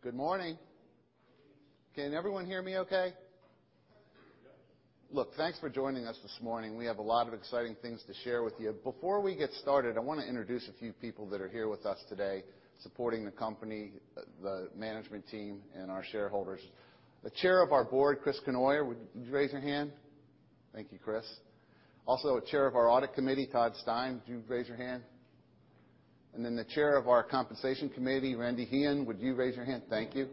Good morning. Can everyone hear me okay? Look, thanks for joining us this morning. We have a lot of exciting things to share with you. Before we get started, I wanna introduce a few people that are here with us today supporting the company, the management team and our shareholders. The Chair of our board, Christine M. Cournoyer. Would you raise your hand? Thank you, Chris. Also, Chair of our audit committee, Todd Stein. Would you raise your hand? The Chair of our compensation committee, Randy Hyun, would you raise your hand? Thank you.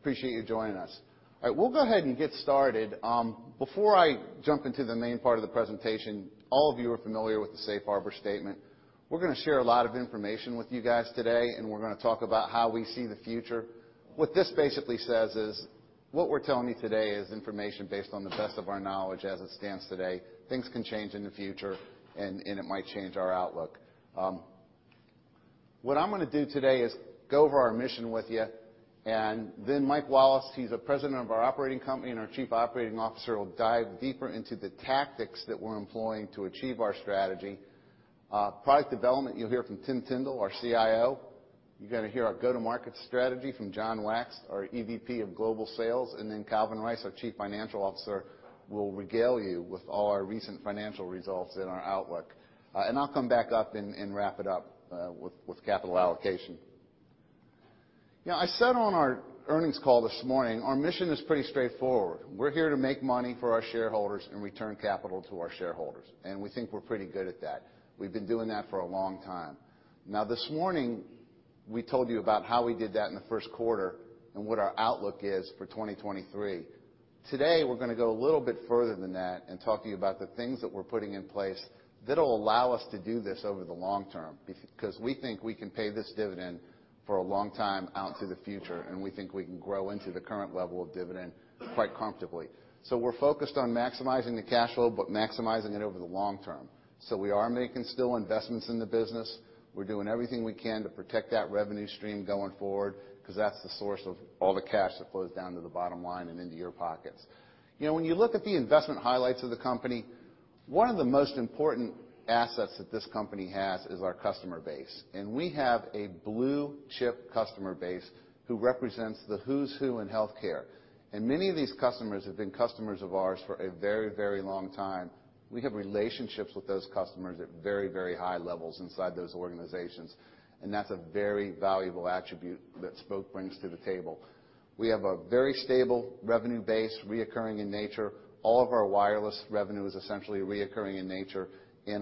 Appreciate you joining us. All right, we'll go ahead and get started. Before I jump into the main part of the presentation, all of you are familiar with the safe harbor statement. We're gonna share a lot of information with you guys today, we're gonna talk about how we see the future. What this basically says is, what we're telling you today is information based on the best of our knowledge as it stands today. Things can change in the future, and it might change our outlook. What I'm gonna do today is go over our mission with you. Michael Wallace, he's the President of our operating company and our Chief Operating Officer, will dive deeper into the tactics that we're employing to achieve our strategy. Product development, you'll hear from Tim Tindle, our CIO. You're gonna hear our go-to-market strategy from Jonathan Wax, our EVP of global sales. Calvin Rice, our Chief Financial Officer, will regale you with all our recent financial results and our outlook. I'll come back up and wrap it up with capital allocation. I said on our earnings call this morning, our mission is pretty straightforward. We're here to make money for our shareholders and return capital to our shareholders, and we think we're pretty good at that. We've been doing that for a long time. This morning, we told you about how we did that in the first quarter and what our outlook is for 2023. Today, we're gonna go a little bit further than that and talk to you about the things that we're putting in place that'll allow us to do this over the long term 'cause we think we can pay this dividend for a long time out to the future, and we think we can grow into the current level of dividend quite comfortably. We're focused on maximizing the cash flow, but maximizing it over the long term. We are making still investments in the business. We're doing everything we can to protect that revenue stream going forward 'cause that's the source of all the cash that flows down to the bottom line and into your pockets. You know, when you look at the investment highlights of the company, one of the most important assets that this company has is our customer base, and we have a blue-chip customer base who represents the who's who in healthcare. Many of these customers have been customers of ours for a very, very long time. We have relationships with those customers at very, very high levels inside those organizations, and that's a very valuable attribute that Spok brings to the table. We have a very stable revenue base, reoccurring in nature. All of our wireless revenue is essentially recurring in nature,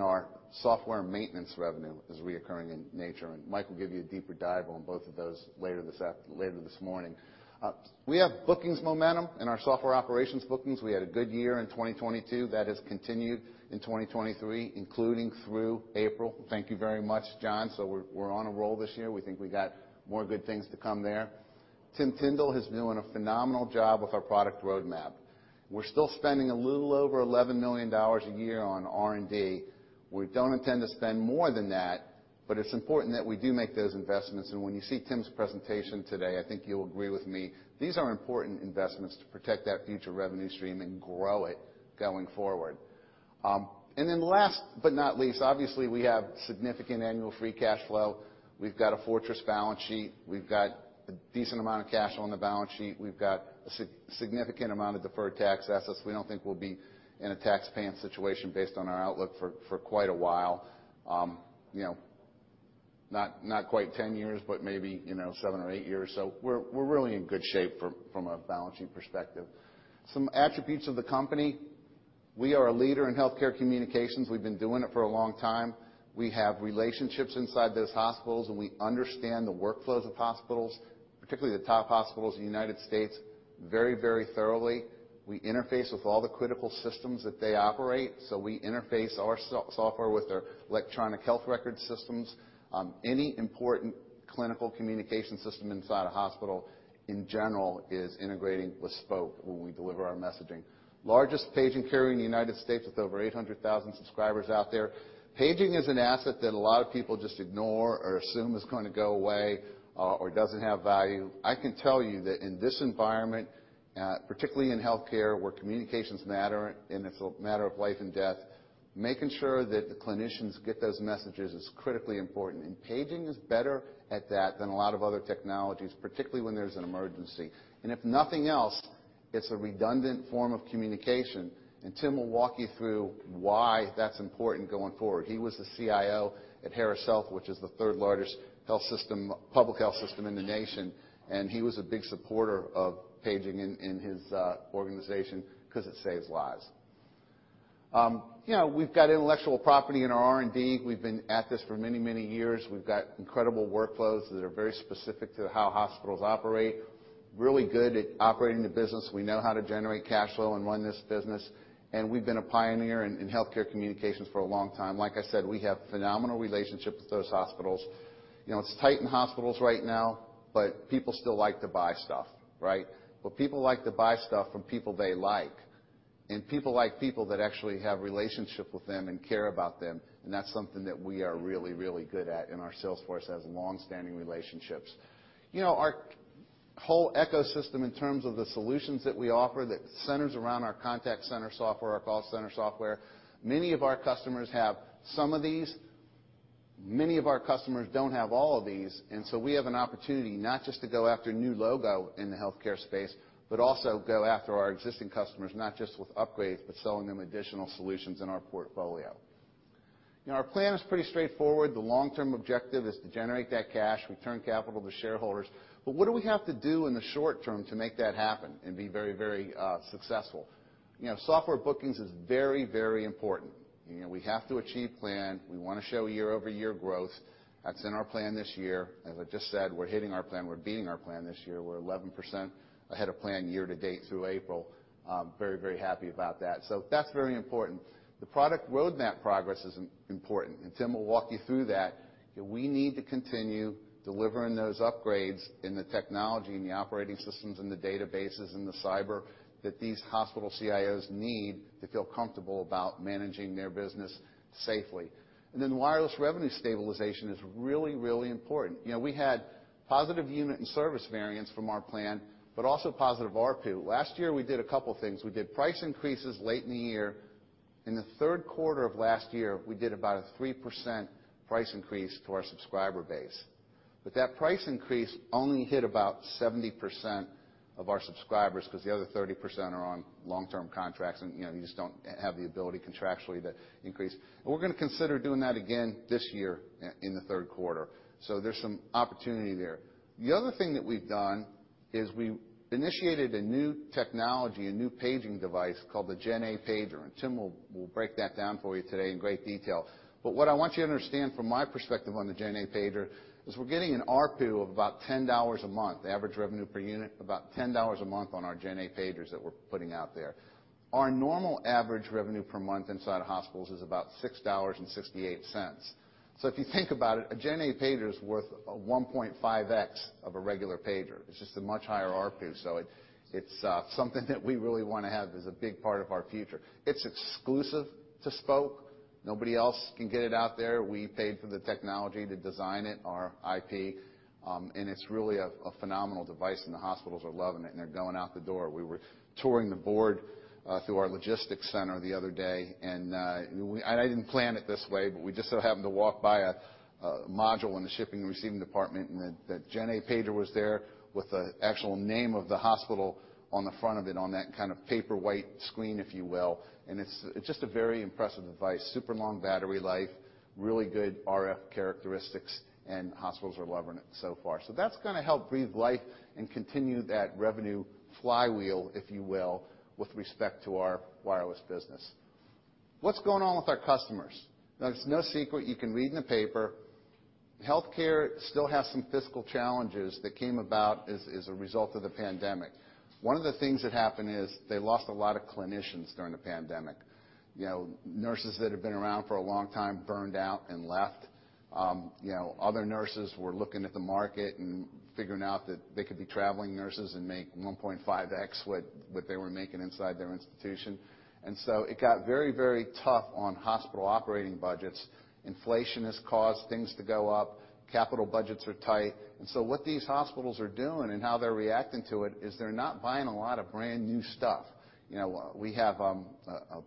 our software maintenance revenue is recurring in nature, and Mike will give you a deeper dive on both of those later this morning. We have bookings momentum in our software operations bookings. We had a good year in 2022. That has continued in 2023, including through April. Thank you very much, John. We're on a roll this year. We think we got more good things to come there. Tim Tindle has been doing a phenomenal job with our product roadmap. We're still spending a little over $11 million a year on R&D. We don't intend to spend more than that, but it's important that we do make those investments. When you see Tim's presentation today, I think you'll agree with me, these are important investments to protect that future revenue stream and grow it going forward. Last but not least, obviously, we have significant annual free cash flow. We've got a fortress balance sheet. We've got a decent amount of cash on the balance sheet. We've got a significant amount of deferred tax assets. We don't think we'll be in a tax paying situation based on our outlook for quite a while. You know, not quite 10 years, but maybe, you know, seven or eight years. We're really in good shape from a balance sheet perspective. Some attributes of the company. We are a leader in healthcare communications. We've been doing it for a long time. We have relationships inside those hospitals, and we understand the workflows of hospitals, particularly the top hospitals in the United States, very, very thoroughly. We interface with all the critical systems that they operate, we interface our software with their electronic health record systems. Any important clinical communication system inside a hospital in general is integrating with Spok when we deliver our messaging. Largest paging carrier in the United States with over 800,000 subscribers out there. Paging is an asset that a lot of people just ignore or assume is gonna go away, or doesn't have value. I can tell you that in this environment, particularly in healthcare, where communications matter, and it's a matter of life and death, making sure that the clinicians get those messages is critically important, and paging is better at that than a lot of other technologies, particularly when there's an emergency. If nothing else, it's a redundant form of communication, and Tim will walk you through why that's important going forward. He was the CIO at Harris Health, which is the third largest public health system in the nation, he was a big supporter of paging in his organization 'cause it saves lives. You know, we've got intellectual property in our R&D. We've been at this for many, many years. We've got incredible workflows that are very specific to how hospitals operate. Really good at operating the business. We know how to generate cash flow and run this business. We've been a pioneer in healthcare communications for a long time. Like I said, we have phenomenal relationships with those hospitals. You know, it's tight in hospitals right now, people still like to buy stuff, right? People like to buy stuff from people they like, and people like people that actually have relationship with them and care about them, and that's something that we are really good at, and our sales force has long-standing relationships. You know, our whole ecosystem in terms of the solutions that we offer that centers around our contact center software, our call center software. Many of our customers have some of these, many of our customers don't have all of these. We have an opportunity not just to go after new logo in the healthcare space, but also go after our existing customers, not just with upgrades, but selling them additional solutions in our portfolio. Our plan is pretty straightforward. The long-term objective is to generate that cash, return capital to shareholders. What do we have to do in the short term to make that happen and be very, very successful? You know, software bookings is very, very important. You know, we have to achieve plan. We wanna show year-over-year growth. That's in our plan this year. As I just said, we're hitting our plan, we're beating our plan this year. We're 11% ahead of plan year to date through April. Very, very happy about that. That's very important. The product roadmap progress is important, and Tim will walk you through that. We need to continue delivering those upgrades in the technology, in the operating systems, in the databases, in the cyber that these hospital CIOs need to feel comfortable about managing their business safely. Wireless revenue stabilization is really, really important. You know, we had positive unit and service variance from our plan, but also positive ARPU. Last year, we did a couple things. We did price increases late in the year. In the third quarter of last year, we did about a 3% price increase to our subscriber base. That price increase only hit about 70% of our subscribers 'cause the other 30% are on long-term contracts, and, you know, you just don't have the ability contractually to increase. We're gonna consider doing that again this year in the third quarter. There's some opportunity there. The other thing that we've done is we initiated a new technology, a new paging device, called the GenA pager, and Tim will break that down for you today in great detail. What I want you to understand from my perspective on the GenA pager is we're getting an ARPU of about $10 a month, average revenue per unit, about $10 a month on our GenA pagers that we're putting out there. Our normal average revenue per month inside hospitals is about $6.68. If you think about it, a GenA pager is worth 1.5x of a regular pager. It's just a much higher ARPU. It's something that we really wanna have as a big part of our future. It's exclusive to Spok. Nobody else can get it out there. We paid for the technology to design it, our IP, and it's really a phenomenal device, and the hospitals are loving it, and they're going out the door. We were touring the board through our logistics center the other day, I didn't plan it this way, but we just so happened to walk by a module in the shipping and receiving department, and the GenA pager was there with the actual name of the hospital on the front of it on that kind of Paperwhite screen, if you will. It's just a very impressive device, super long battery life, really good RF characteristics, and hospitals are loving it so far. That's gonna help breathe life and continue that revenue flywheel, if you will, with respect to our wireless business. What's going on with our customers? It's no secret, you can read in the paper, healthcare still has some fiscal challenges that came about as a result of the pandemic. One of the things that happened is they lost a lot of clinicians during the pandemic. You know, nurses that had been around for a long time burned out and left. You know, other nurses were looking at the market and figuring out that they could be traveling nurses and make 1.5x what they were making inside their institution. It got very tough on hospital operating budgets. Inflation has caused things to go up, capital budgets are tight. What these hospitals are doing and how they're reacting to it is they're not buying a lot of brand-new stuff. You know, we have a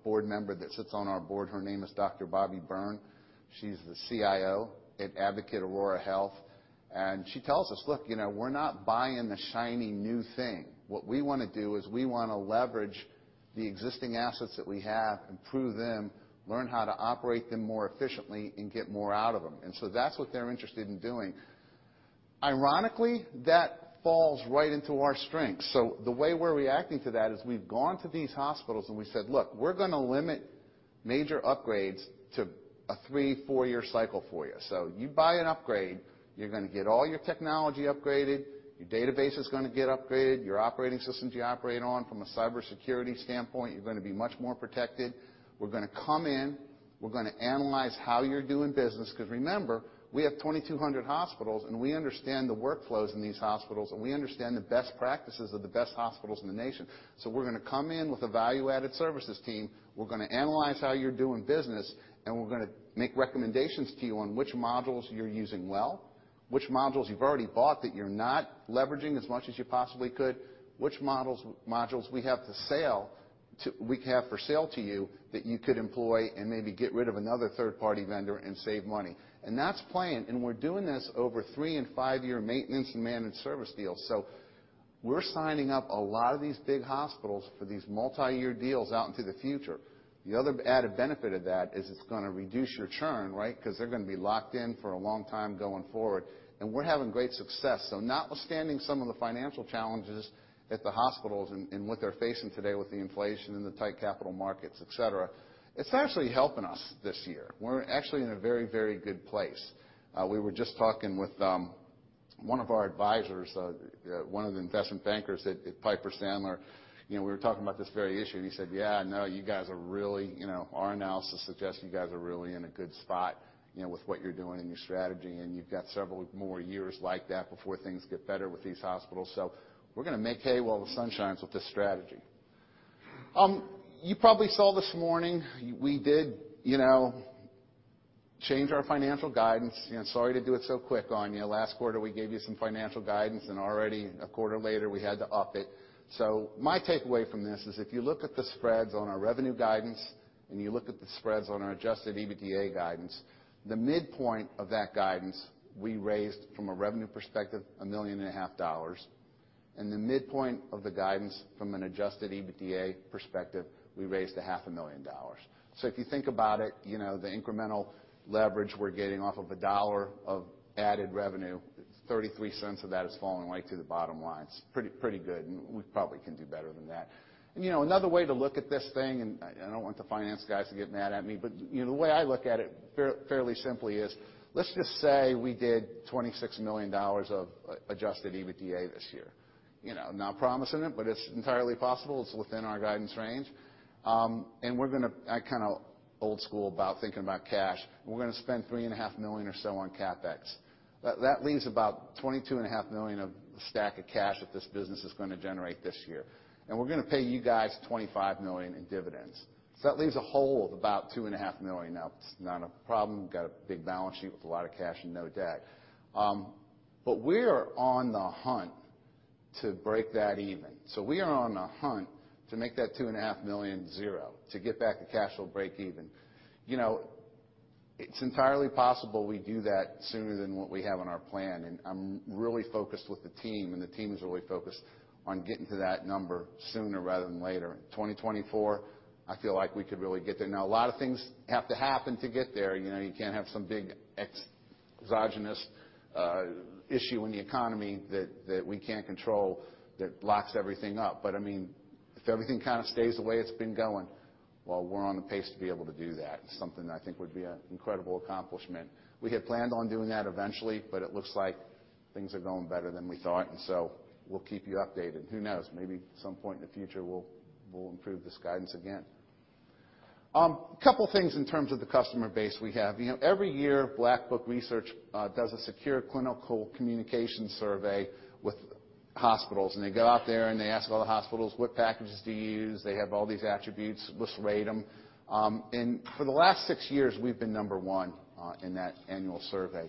board member that sits on our board. Her name is Dr. Bobbie Byrne. She's the CIO at Advocate Aurora Health. She tells us, "Look, you know, we're not buying the shiny new thing. What we wanna do is we wanna leverage the existing assets that we have, improve them, learn how to operate them more efficiently, and get more out of them." That's what they're interested in doing. Ironically, that falls right into our strength. The way we're reacting to that is we've gone to these hospitals and we said, "Look, we're gonna limit major upgrades to a 3-4-year cycle for you. You buy an upgrade, you're gonna get all your technology upgraded, your database is gonna get upgraded, your operating systems you operate on from a cybersecurity standpoint, you're gonna be much more protected. We're gonna come in, we're gonna analyze how you're doing business, cause remember, we have 2,200 hospitals, and we understand the workflows in these hospitals, and we understand the best practices of the best hospitals in the nation. We're gonna come in with a value-added services team, we're gonna analyze how you're doing business, and we're gonna make recommendations to you on which modules you're using well, which modules you've already bought that you're not leveraging as much as you possibly could, which modules we have for sale to you that you could employ and maybe get rid of another third-party vendor and save money. That's planned, and we're doing this over three and five year maintenance and managed service deals. We're signing up a lot of these big hospitals for these multi-year deals out into the future. The other added benefit of that is it's gonna reduce your churn, right? 'Cause they're gonna be locked in for a long time going forward. We're having great success. Notwithstanding some of the financial challenges at the hospitals and what they're facing today with the inflation and the tight capital markets, etc., it's actually helping us this year. We're actually in a very, very good place. We were just talking with one of our advisors, one of the investment bankers at Piper Sandler. You know, we were talking about this very issue. He said, "Yeah, I know you guys are really, you know, our analysis suggests you guys are really in a good spot, you know, with what you're doing and your strategy, and you've got several more years like that before things get better with these hospitals." We're gonna make hay while the sun shines with this strategy. You probably saw this morning, we did change our financial guidance, you know, sorry to do it so quick on you. Last quarter, we gave you some financial guidance, already a quarter later, we had to up it. My takeaway from this is if you look at the spreads on our revenue guidance, and you look at the spreads on our Adjusted EBITDA guidance, the midpoint of that guidance, we raised from a revenue perspective $1.5 million. The midpoint of the guidance from an Adjusted EBITDA perspective, we raised $0.5 million. If you think about it, you know, the incremental leverage we're getting off of $1 of added revenue, $0.33 of that is falling right to the bottom line. It's pretty good, and we probably can do better than that. You know, another way to look at this thing, and I don't want the finance guys to get mad at me, but, you know, the way I look at it fair-fairly simply is, let's just say we did $26 million of Adjusted EBITDA this year. You know, not promising it, but it's entirely possible. It's within our guidance range. I'm kinda old school about thinking about cash. We're gonna spend $3.5 million or so on CapEx. That leaves about $22.5 million of the stack of cash that this business is gonna generate this year. We're gonna pay you guys $25 million in dividends. That leaves a hole of about $2.5 million. It's not a problem. Got a big balance sheet with a lot of cash and no debt. We are on the hunt to break that even. We are on a hunt to make that 2.5 million zero, to get back to cash flow breakeven. You know, it's entirely possible we do that sooner than what we have on our plan, and I'm really focused with the team, and the team is really focused on getting to that number sooner rather than later. 2024, I feel like we could really get there. A lot of things have to happen to get there. You know, you can't have some big exogenous issue in the economy that we can't control that locks everything up. I mean, if everything kinda stays the way it's been going, well, we're on the pace to be able to do that. It's something that I think would be an incredible accomplishment. We had planned on doing that eventually, but it looks like things are going better than we thought. We'll keep you updated. Who knows? Maybe at some point in the future, we'll improve this guidance again. Couple things in terms of the customer base we have. You know, every year, Black Book Research does a secure clinical communication survey with hospitals. They go out there, and they ask all the hospitals what packages do you use. They have all these attributes. Let's rate them. And for the last six years, we've been number one in that annual survey.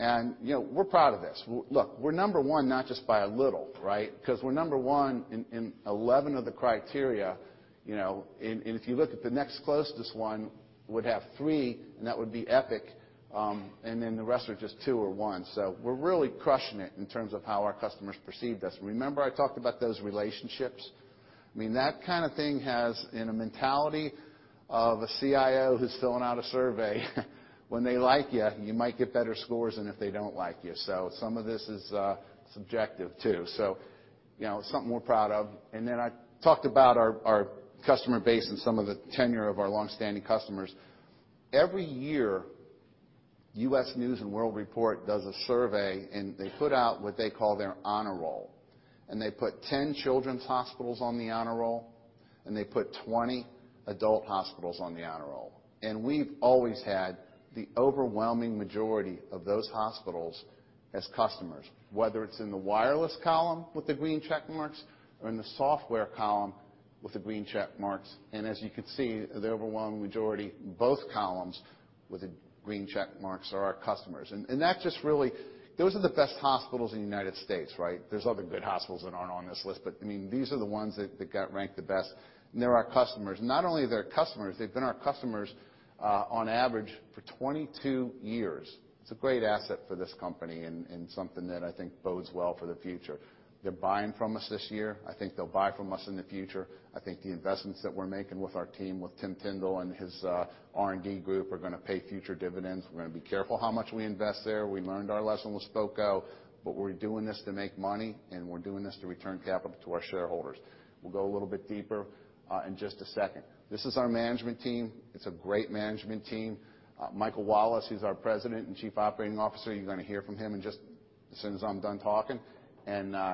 You know, we're proud of this. Look, we're number one, not just by a little, right? 'Cause we're number one in 11 of the criteria, you know, and if you look at the next closest one would have three, and that would be Epic, and then the rest are just two or one. We're really crushing it in terms of how our customers perceive us. Remember I talked about those relationships? I mean, that kinda thing has, in a mentality of a CIO who's filling out a survey, when they like you might get better scores than if they don't like you. Some of this is subjective too. You know, something we're proud of. Then I talked about our customer base and some of the tenure of our long-standing customers. Every year, U.S. News & World Report does a survey, and they put out what they call their honor roll. They put 10 children's hospitals on the honor roll, and they put 20 adult hospitals on the honor roll. We've always had the overwhelming majority of those hospitals as customers, whether it's in the wireless column with the green check marks or in the software column with the green check marks. As you can see, the overwhelming majority in both columns with the green check marks are our customers. Those are the best hospitals in the United States, right? There's other good hospitals that aren't on this list, but, I mean, these are the ones that got ranked the best, and they're our customers. Not only are they our customers, they've been our customers, on average for 22 years. It's a great asset for this company and something that I think bodes well for the future. They're buying from us this year. I think they'll buy from us in the future. I think the investments that we're making with our team, with Tim Tindle and his R&D group, are gonna pay future dividends. We're gonna be careful how much we invest there. We learned our lesson with Spok Go. We're doing this to make money, and we're doing this to return capital to our shareholders. We'll go a little bit deeper in just a second. This is our management team. It's a great management team. Michael Wallace, he's our President and Chief Operating Officer. You're gonna hear from him in just as soon as I'm done talking.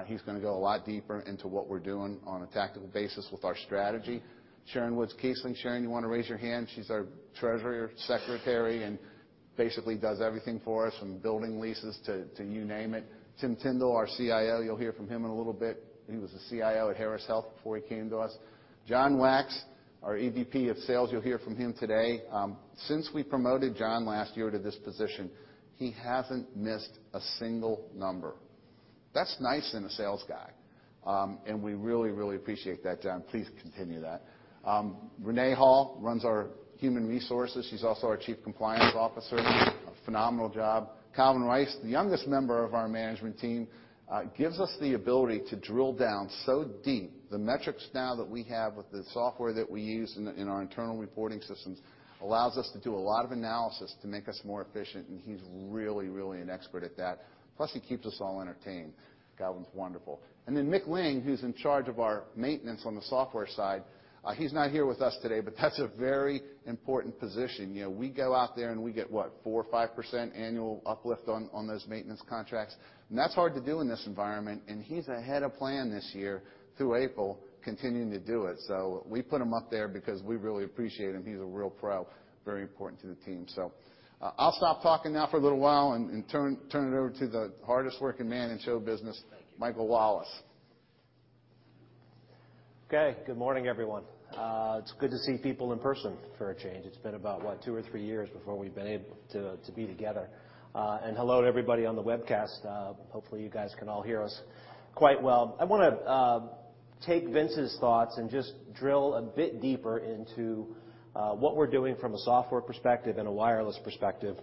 He's gonna go a lot deeper into what we're doing on a tactical basis with our strategy. Sharon Woods Keisling. Sharon, you wanna raise your hand? She's our treasurer, secretary, and basically does everything for us from building leases to you name it. Tim Tindle, our CIO. You'll hear from him in a little bit. He was the CIO at Harris Health before he came to us. John Wax, our EVP of sales. You'll hear from him today. Since we promoted John last year to this position, he hasn't missed a single number. That's nice in a sales guy, and we really, really appreciate that, John. Please continue that. Renee Hall runs our human resources. She's also our Chief Compliance Officer. A phenomenal job. Calvin Rice, the youngest member of our management team, gives us the ability to drill down so deep. The metrics now that we have with the software that we use in our internal reporting systems allows us to do a lot of analysis to make us more efficient, and he's really, really an expert at that. Plus, he keeps us all entertained. Calvin's wonderful. Mick Ling, who's in charge of our maintenance on the software side, he's not here with us today, but that's a very important position. You know, we go out there, and we get, what, 4% or 5% annual uplift on those maintenance contracts? That's hard to do in this environment, and he's ahead of plan this year through April continuing to do it. We put him up there because we really appreciate him. He's a real pro, very important to the team. I'll stop talking now for a little while and turn it over to the hardest-working man in show business. Thank you. Michael Wallace. Okay, good morning, everyone. It's good to see people in person for a change. It's been about, what, two or three years before we've been able to be together. Hello to everybody on the webcast. Hopefully you guys can all hear us quite well. I wanna take Vince's thoughts and just drill a bit deeper into what we're doing from a software perspective and a wireless perspective,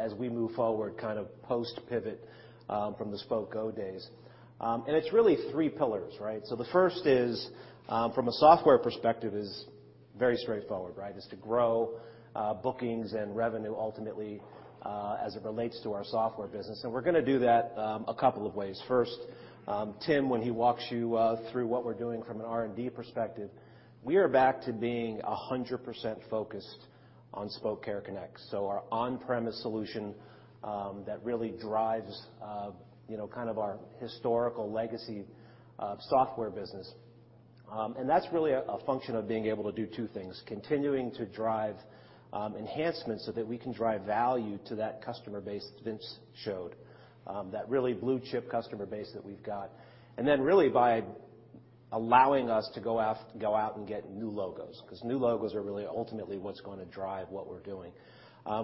as we move forward, kind of post-pivot, from the Spok Go days. It's really three pillars, right? The first is, from a software perspective is very straightforward, right? Is to grow bookings and revenue ultimately, as it relates to our software business. We're gonna do that a couple of ways. Tim Tindle, when he walks you through what we're doing from an R&D perspective, we are back to being 100% focused on Spok Care Connect. Our on-premise solution that really drives, you know, kind of our historical legacy software business. That's really a function of being able to do two things: continuing to drive enhancements so that we can drive value to that customer base that Vince showed, that really blue chip customer base that we've got. Really by allowing us to go out and get new logos, 'cause new logos are really ultimately what's gonna drive what we're doing.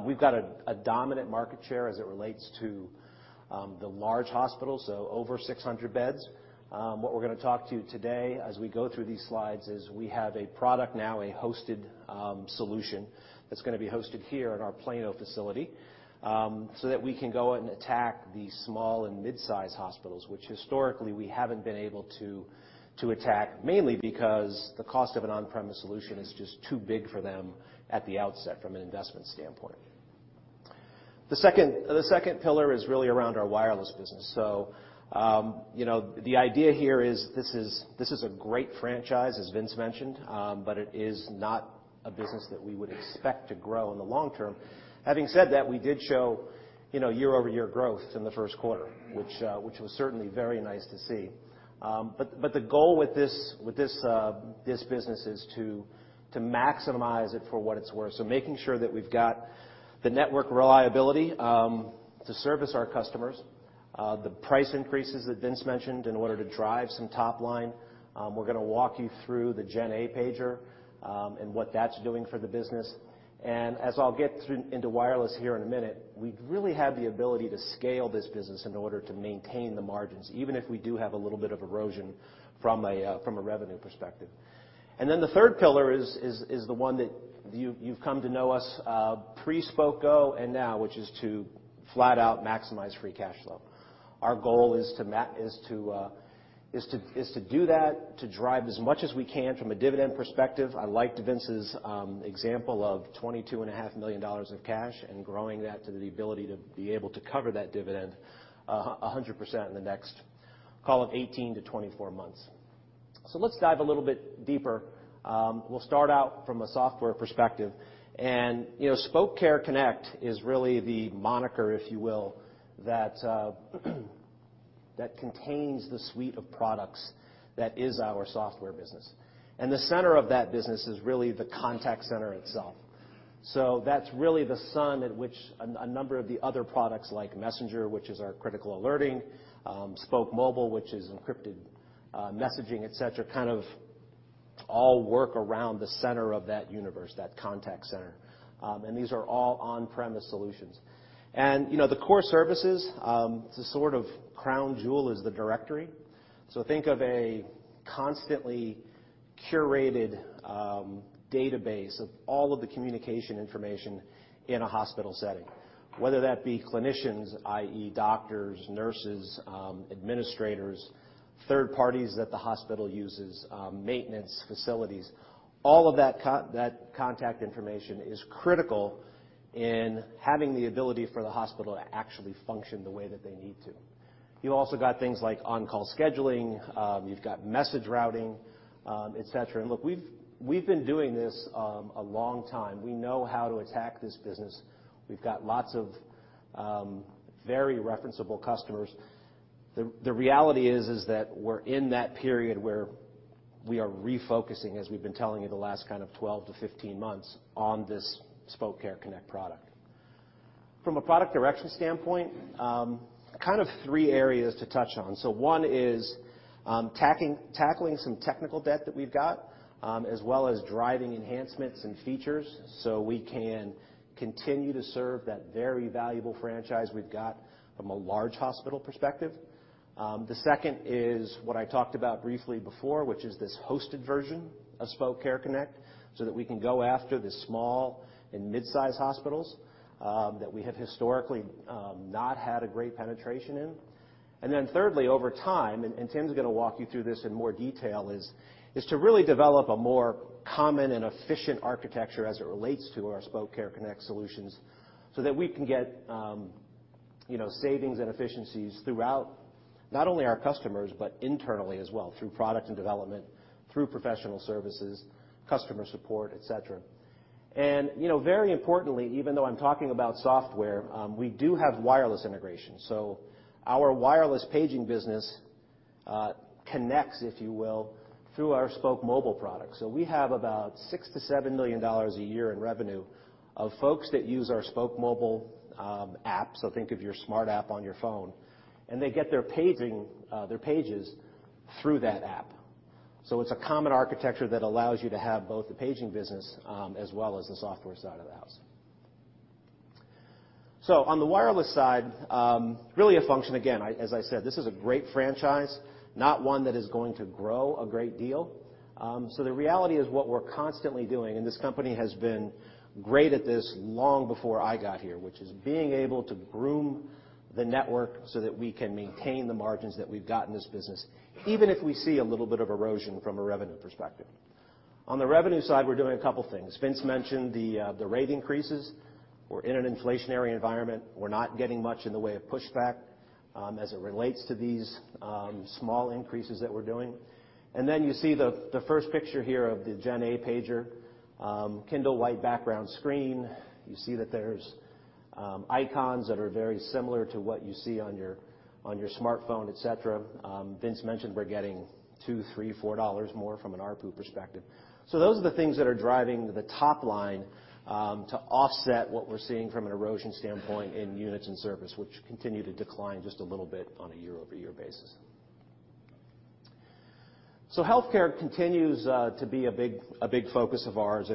We've got a dominant market share as it relates to the large hospitals, so over 600 beds. What we're gonna talk to you today as we go through these slides is we have a product now, a hosted solution that's gonna be hosted here in our Plano facility, so that we can go and attack the small and mid-size hospitals, which historically we haven't been able to attack, mainly because the cost of an on-premise solution is just too big for them at the outset from an investment standpoint. The second pillar is really around our wireless business. You know, the idea here is this is, this is a great franchise, as Vince mentioned, but it is not a business that we would expect to grow in the long term. Having said that, we did show, you know, year-over-year growth in the first quarter, which was certainly very nice to see. The goal with this business is to maximize it for what it's worth. Making sure that we've got the network reliability to service our customers. The price increases that Vince mentioned in order to drive some top line. We're gonna walk you through the GenA pager and what that's doing for the business. As I'll get through into wireless here in a minute, we really have the ability to scale this business in order to maintain the margins, even if we do have a little bit of erosion from a revenue perspective. The third pillar is the one that you've come to know us pre Spok Go and now, which is to flat out maximize free cash flow. Our goal is to do that, to drive as much as we can from a dividend perspective. I liked Vince's example of $22 and a half million dollars of cash and growing that to the ability to be able to cover that dividend 100% in the next, call it 18-24 months. Let's dive a little bit deeper. We'll start out from a software perspective. You know, Spok Care Connect is really the moniker, if you will, that contains the suite of products that is our software business. The center of that business is really the contact center itself. That's really the sun at which a number of the other products like Spok Messenger, which is our critical alerting, Spok Mobile, which is encrypted messaging, etc., kind of all work around the center of that universe, that contact center. These are all on-premise solutions. You know, the core services, the sort of crown jewel is the directory. Think of a constantly curated database of all of the communication information in a hospital setting, whether that be clinicians, i.e., doctors, nurses, administrators, third parties that the hospital uses, maintenance facilities. All of that contact information is critical in having the ability for the hospital to actually function the way that they need to. You also got things like on-call scheduling, you've got message routing, etc. Look, we've been doing this a long time. We know how to attack this business. We've got lots of very referenceable customers. The reality is that we're in that period where we are refocusing, as we've been telling you the last kind of 12-15 months, on this Spok Care Connect product. From a product direction standpoint, kind of three areas to touch on. One is tackling some technical debt that we've got, as well as driving enhancements and features, so we can continue to serve that very valuable franchise we've got from a large hospital perspective. The second is what I talked about briefly before, which is this hosted version of Spok Care Connect, so that we can go after the small and mid-size hospitals that we have historically not had a great penetration in. Thirdly, over time, and Tim's gonna walk you through this in more detail, is to really develop a more common and efficient architecture as it relates to our Spok Care Connect solutions so that we can get, you know, savings and efficiencies throughout not only our customers, but internally as well, through product and development, through professional services, customer support, etc. You know, very importantly, even though I'm talking about software, we do have wireless integration. Our wireless paging business, connects, if you will, through our Spok Mobile products. We have about $6 million-$7 million a year in revenue of folks that use our Spok Mobile app, think of your smart app on your phone, and they get their paging, their pages through that app. It's a common architecture that allows you to have both the paging business as well as the software side of the house. On the wireless side, really a function. Again, as I said, this is a great franchise, not one that is going to grow a great deal. The reality is what we're constantly doing, and this company has been great at this long before I got here, which is being able to groom the network so that we can maintain the margins that we've got in this business, even if we see a little bit of erosion from a revenue perspective. On the revenue side, we're doing a couple things. Vince mentioned the rate increases. We're in an inflationary environment. We're not getting much in the way of pushback as it relates to these small increases that we're doing. You see the first picture here of the GenA pager, Kindle-like background screen. You see that there's icons that are very similar to what you see on your smartphone, etc. Vince mentioned we're getting $2, $3, $4 more from an ARPU perspective. Those are the things that are driving the top line to offset what we're seeing from an erosion standpoint in units and service, which continue to decline just a little bit on a year-over-year basis. Healthcare continues to be a big focus of ours.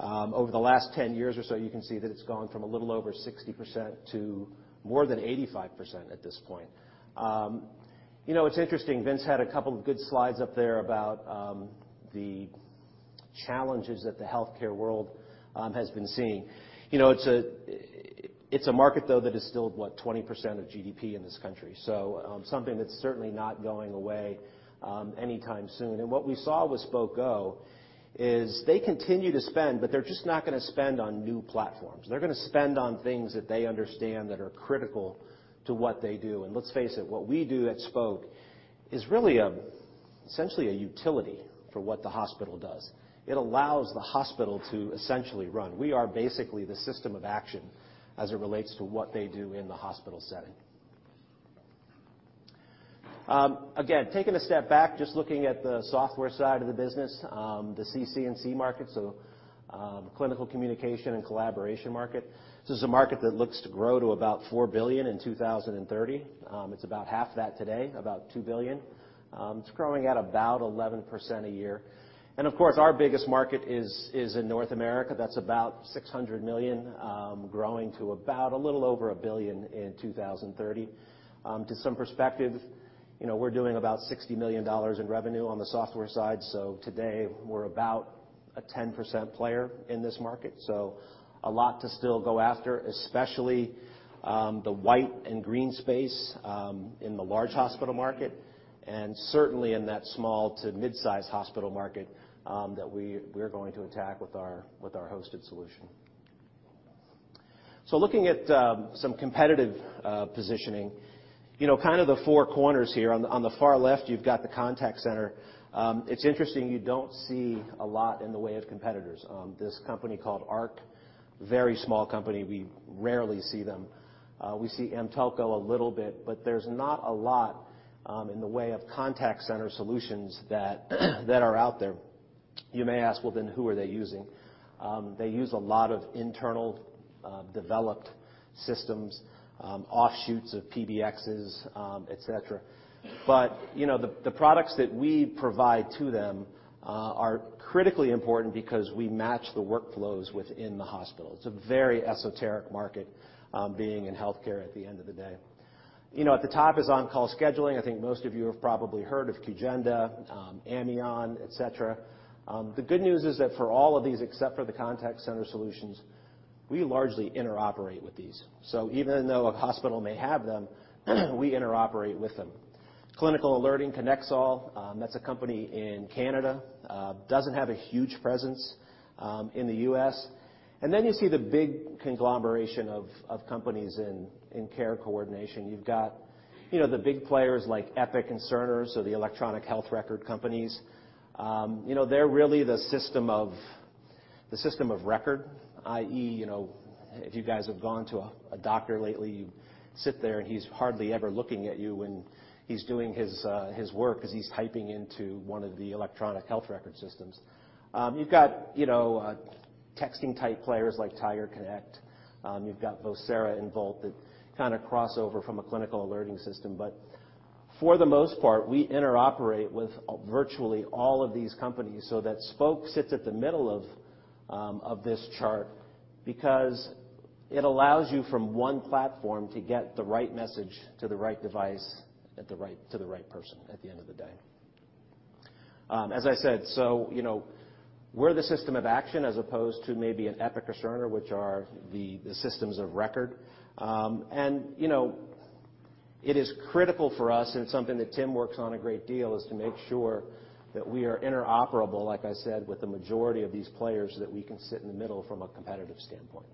Over the last 10 years or so, you can see that it's gone from a little over 60% to more than 85% at this point. You know, it's interesting, Vince had a couple of good slides up there about the challenges that the healthcare world has been seeing. You know, It's a market though that is still, what, 20% of GDP in this country, so something that's certainly not going away anytime soon. What we saw with Spok Go is they continue to spend, but they're just not gonna spend on new platforms. They're gonna spend on things that they understand that are critical to what they do. Let's face it, what we do at Spok is really essentially a utility for what the hospital does. It allows the hospital to essentially run. We are basically the system of action as it relates to what they do in the hospital setting. Again, taking a step back, just looking at the software side of the business, the CC&C market, so, Clinical Communication and Collaboration market. This is a market that looks to grow to about $4 billion in 2030. It's about half that today, about $2 billion. It's growing at about 11% a year. Of course, our biggest market is in North America. That's about $600 million, growing to about a little over $1 billion in 2030. To some perspective, you know, we're doing about $60 million in revenue on the software side, so today we're about a 10% player in this market. A lot to still go after, especially the white and green space in the large hospital market and certainly in that small to mid-sized hospital market that we're going to attack with our hosted solution. Looking at, some competitive positioning. You know, kind of the four corners here. On the far left, you've got the contact center. It's interesting you don't see a lot in the way of competitors. This company called ARC, very small company, we rarely see them. We see Amtelco a little bit, but there's not a lot in the way of contact center solutions that are out there. You may ask, "Well, then who are they using?" They use a lot of internal developed systems, offshoots of PBXs, etc. You know, the products that we provide to them are critically important because we match the workflows within the hospital. It's a very esoteric market, being in healthcare at the end of the day. You know, at the top is on-call scheduling. I think most of you have probably heard of Qgenda, Amion, etc. The good news is that for all of these, except for the contact center solutions, we largely interoperate with these. Even though a hospital may have them, we interoperate with them. Clinical alerting, Connexall, that's a company in Canada, doesn't have a huge presence in the U.S. Then you see the big conglomeration of companies in care coordination. You've got, you know, the big players like Epic and Cerner, so the electronic health record companies. You know, they're really the system of record, i.e., you know, if you guys have gone to a doctor lately, you sit there and he's hardly ever looking at you, and he's doing his work as he's typing into one of the electronic health record systems. You've got, you know, texting-type players like TigerConnect. You've got Vocera and Voalte that kinda cross over from a clinical alerting system. For the most part, we interoperate with virtually all of these companies so that Spok sits at the middle of this chart because it allows you from one platform to get the right message to the right device to the right person at the end of the day. As I said, you know, we're the system of action as opposed to maybe an Epic or Cerner, which are the systems of record. You know, it is critical for us, and something that Tim works on a great deal, is to make sure that we are interoperable, like I said, with the majority of these players, so that we can sit in the middle from a competitive standpoint.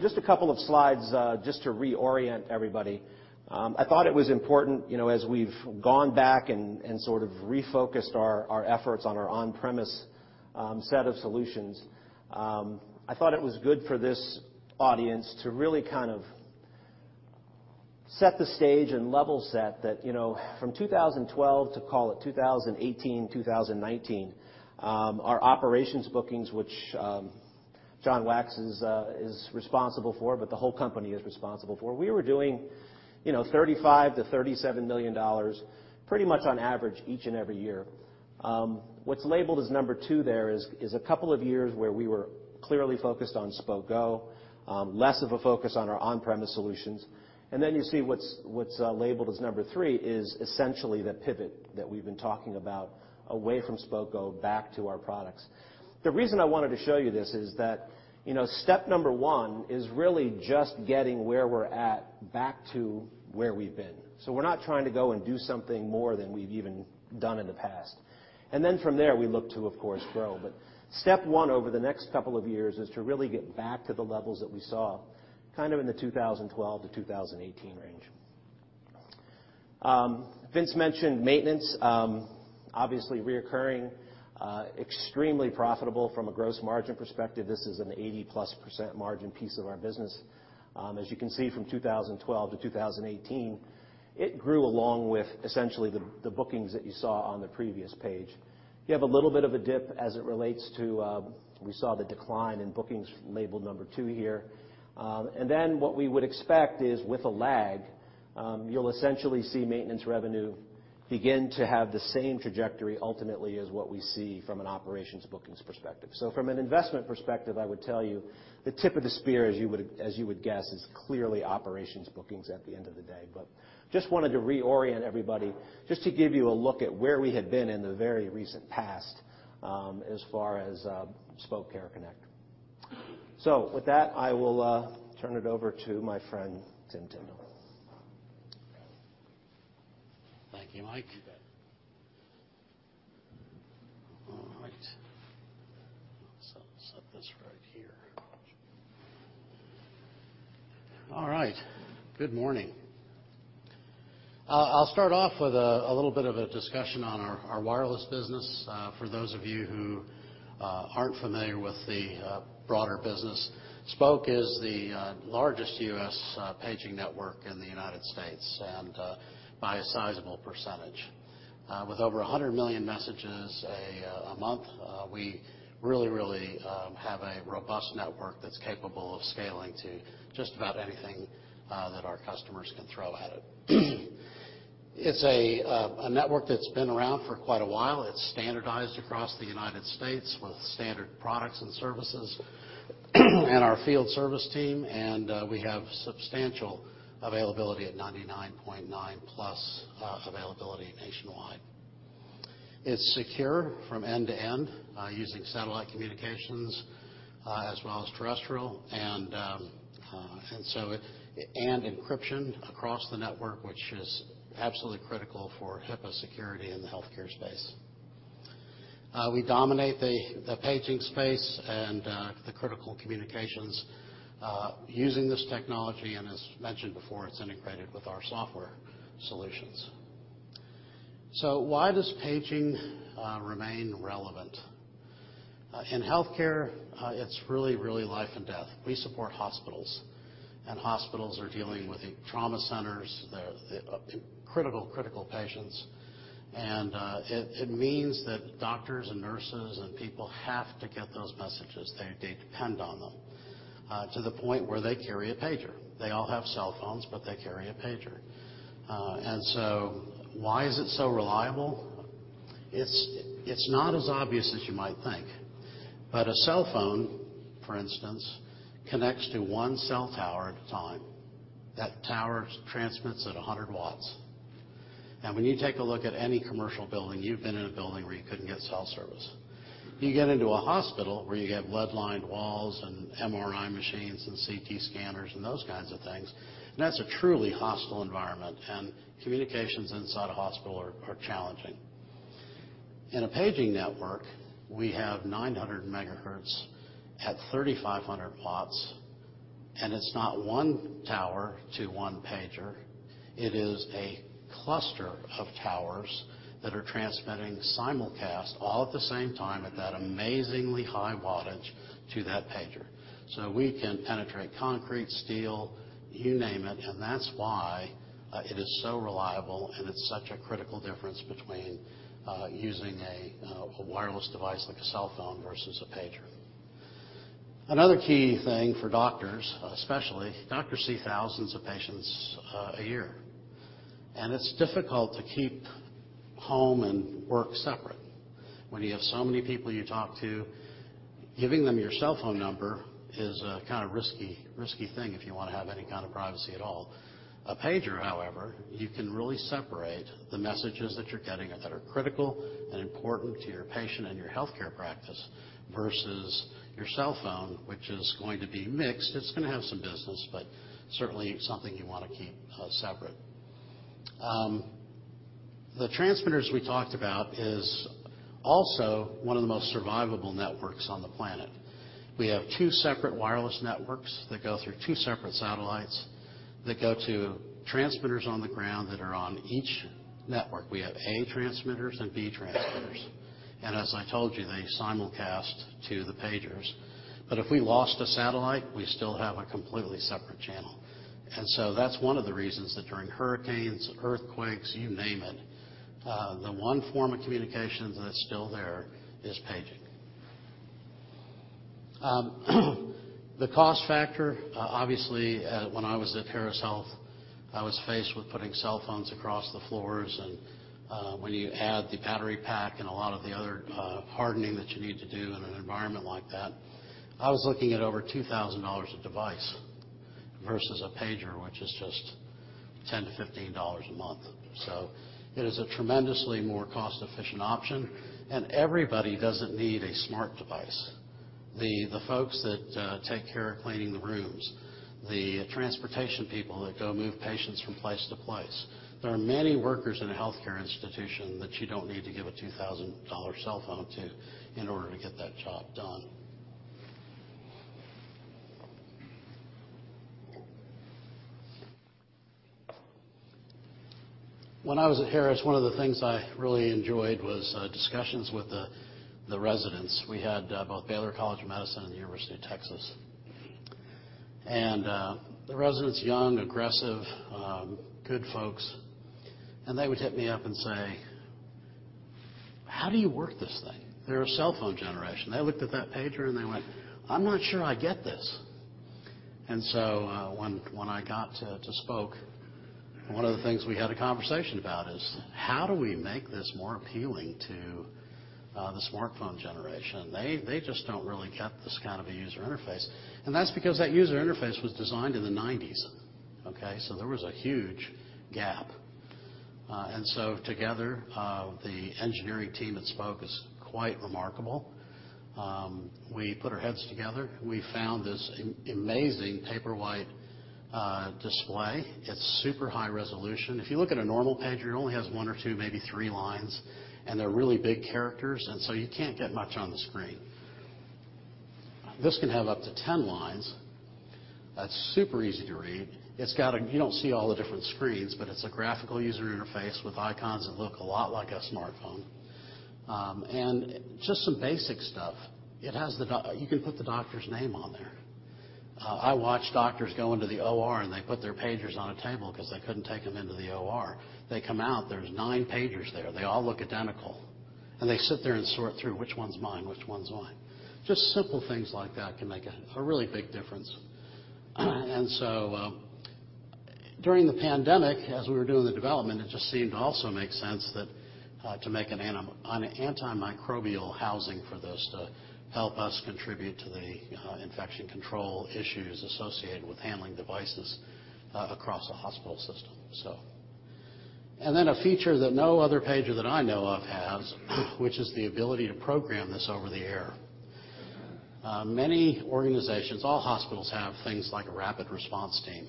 Just a couple of slides, just to reorient everybody. I thought it was important, you know, as we've gone back and sort of refocused our efforts on our on-premise set of solutions, I thought it was good for this audience to really kind of set the stage and level set that, you know, from 2012 to call it 2018, 2019, our operations bookings, which Jonathan Wax is responsible for, but the whole company is responsible for. We were doing, you know, $35 million-$37 million pretty much on average each and every year. What's labeled as number two there is a couple of years where we were clearly focused on Spok Go, less of a focus on our on-premise solutions. You see what's labeled as number three is essentially the pivot that we've been talking about away from Spok Go back to our products. The reason I wanted to show you this is that, you know, step number 1 is really just getting where we're at back to where we've been. We're not trying to go and do something more than we've even done in the past. From there, we look to, of course, grow. Step 1 over the next couple of years is to really get back to the levels that we saw kind of in the 2012 to 2018 range. Vince mentioned maintenance. Obviously recurring, extremely profitable from a gross margin perspective. This is an 80%+ margin piece of our business. As you can see from 2012-2018, it grew along with essentially the bookings that you saw on the previous page. You have a little bit of a dip as it relates to. We saw the decline in bookings labeled number two here. What we would expect is with a lag, you'll essentially see maintenance revenue begin to have the same trajectory ultimately as what we see from an operations bookings perspective. From an investment perspective, I would tell you the tip of the spear, as you would guess, is clearly operations bookings at the end of the day. Just wanted to reorient everybody just to give you a look at where we had been in the very recent past, as far as Spok Care Connect. With that, I will turn it over to my friend, Tim Tindle. Thank you, Mike. You bet. All right. Set this right here. All right. Good morning. I'll start off with a little bit of a discussion on our wireless business. For those of you who aren't familiar with the broader business, Spok is the largest U.S. paging network in the United States, by a sizable percentage. With over 100 million messages a month, we really, really have a robust network that's capable of scaling to just about anything that our customers can throw at it. It's a network that's been around for quite a while. It's standardized across the United States with standard products and services and our field service team. We have substantial availability at 99.9+ availability nationwide. It's secure from end to end, using satellite communications as well as terrestrial. And encryption across the network, which is absolutely critical for HIPAA security in the healthcare space. We dominate the paging space and the critical communications using this technology, and as mentioned before, it's integrated with our software solutions. Why does paging remain relevant in healthcare? It's really, really life and death. We support hospitals, and hospitals are dealing with trauma centers, the critical patients, and it means that doctors and nurses and people have to get those messages. They depend on them to the point where they carry a pager. They all have cell phones, but they carry a pager. Why is it so reliable? It's not as obvious as you might think, but a cell phone, for instance, connects to 1 cell tower at a time. That tower transmits at 100 W. When you take a look at any commercial building, you've been in a building where you couldn't get cell service. You get into a hospital where you have lead-lined walls and MRI machines and CT scanners and those kinds of things, and that's a truly hostile environment. Communications inside a hospital are challenging. In a paging network, we have 900 MHz at 3,500 W. It's not one tower to one pager. It is a cluster of towers that are transmitting simulcast all at the same time at that amazingly high wattage to that pager. We can penetrate concrete, steel, you name it, and that's why it is so reliable, and it's such a critical difference between using a wireless device like a cell phone versus a pager. Another key thing for doctors, especially, doctors see thousands of patients a year. It's difficult to keep home and work separate. When you have so many people you talk to, giving them your cell phone number is a kind of risky thing if you wanna have any kind of privacy at all. A pager, however, you can really separate the messages that you're getting that are critical and important to your patient and your healthcare practice versus your cell phone, which is going to be mixed. It's gonna have some business, certainly something you wanna keep separate. The transmitters we talked about is also one of the most survivable networks on the planet. We have two separate wireless networks that go through two separate satellites that go to transmitters on the ground that are on each network. We have A transmitters and B transmitters. As I told you, they simulcast to the pagers. If we lost a satellite, we still have a completely separate channel. That's one of the reasons that during hurricanes, earthquakes, you name it. The one form of communication that's still there is paging. The cost factor, obviously, when I was at Harris Health, I was faced with putting cell phones across the floors, and when you add the battery pack and a lot of the other hardening that you need to do in an environment like that, I was looking at over $2,000 a device versus a pager, which is just $10-$15 a month. It is a tremendously more cost-efficient option, and everybody doesn't need a smart device. The folks that take care of cleaning the rooms, the transportation people that go move patients from place to place. There are many workers in a healthcare institution that you don't need to give a $2,000 cell phone to in order to get that job done. When I was at Harris, one of the things I really enjoyed was discussions with the residents. We had both Baylor College of Medicine and The University of Texas. The residents, young, aggressive, good folks, and they would hit me up and say, "How do you work this thing?" They're a cell phone generation. They looked at that pager, and they went, "I'm not sure I get this." When I got to Spok, one of the things we had a conversation about is, how do we make this more appealing to the smartphone generation? They just don't really get this kind of a user interface, and that's because that user interface was designed in the 90s, okay? There was a huge gap. Together, the engineering team at Spok is quite remarkable. We put our heads together. We found this amazing Paperwhite display. It's super high resolution. If you look at a normal pager, it only has one or two, maybe three lines, they're really big characters, you can't get much on the screen. This can have up to 10 lines. It's super easy to read. You don't see all the different screens, it's a graphical user interface with icons that look a lot like a smartphone. Just some basic stuff. You can put the doctor's name on there. I watch doctors go into the OR, they put their pagers on a table 'cause they couldn't take them into the OR. They come out, there's 9 pagers there. They all look identical. They sit there and sort through which one's mine. Just simple things like that can make a really big difference. During the pandemic, as we were doing the development, it just seemed to also make sense that to make an antimicrobial housing for this to help us contribute to the infection control issues associated with handling devices across a hospital system. A feature that no other pager that I know of has, which is the ability to program this over the air. Many organizations, all hospitals have things like a rapid response team,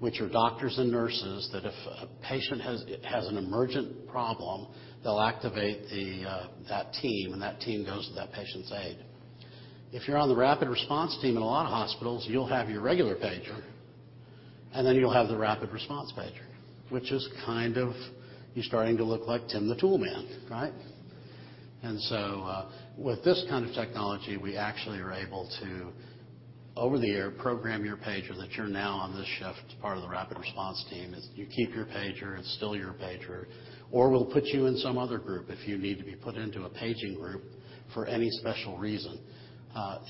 which are doctors and nurses that if a patient has an emergent problem, they'll activate that team, and that team goes to that patient's aid. If you're on the rapid response team in a lot of hospitals, you'll have your regular pager, and then you'll have the rapid response pager, which is kind of, you're starting to look like Tim the Tool Man, right? With this kind of technology, we actually are able to over the air program your pager that you're now on this shift as part of the rapid response team. It's you keep your pager, it's still your pager, or we'll put you in some other group if you need to be put into a paging group for any special reason.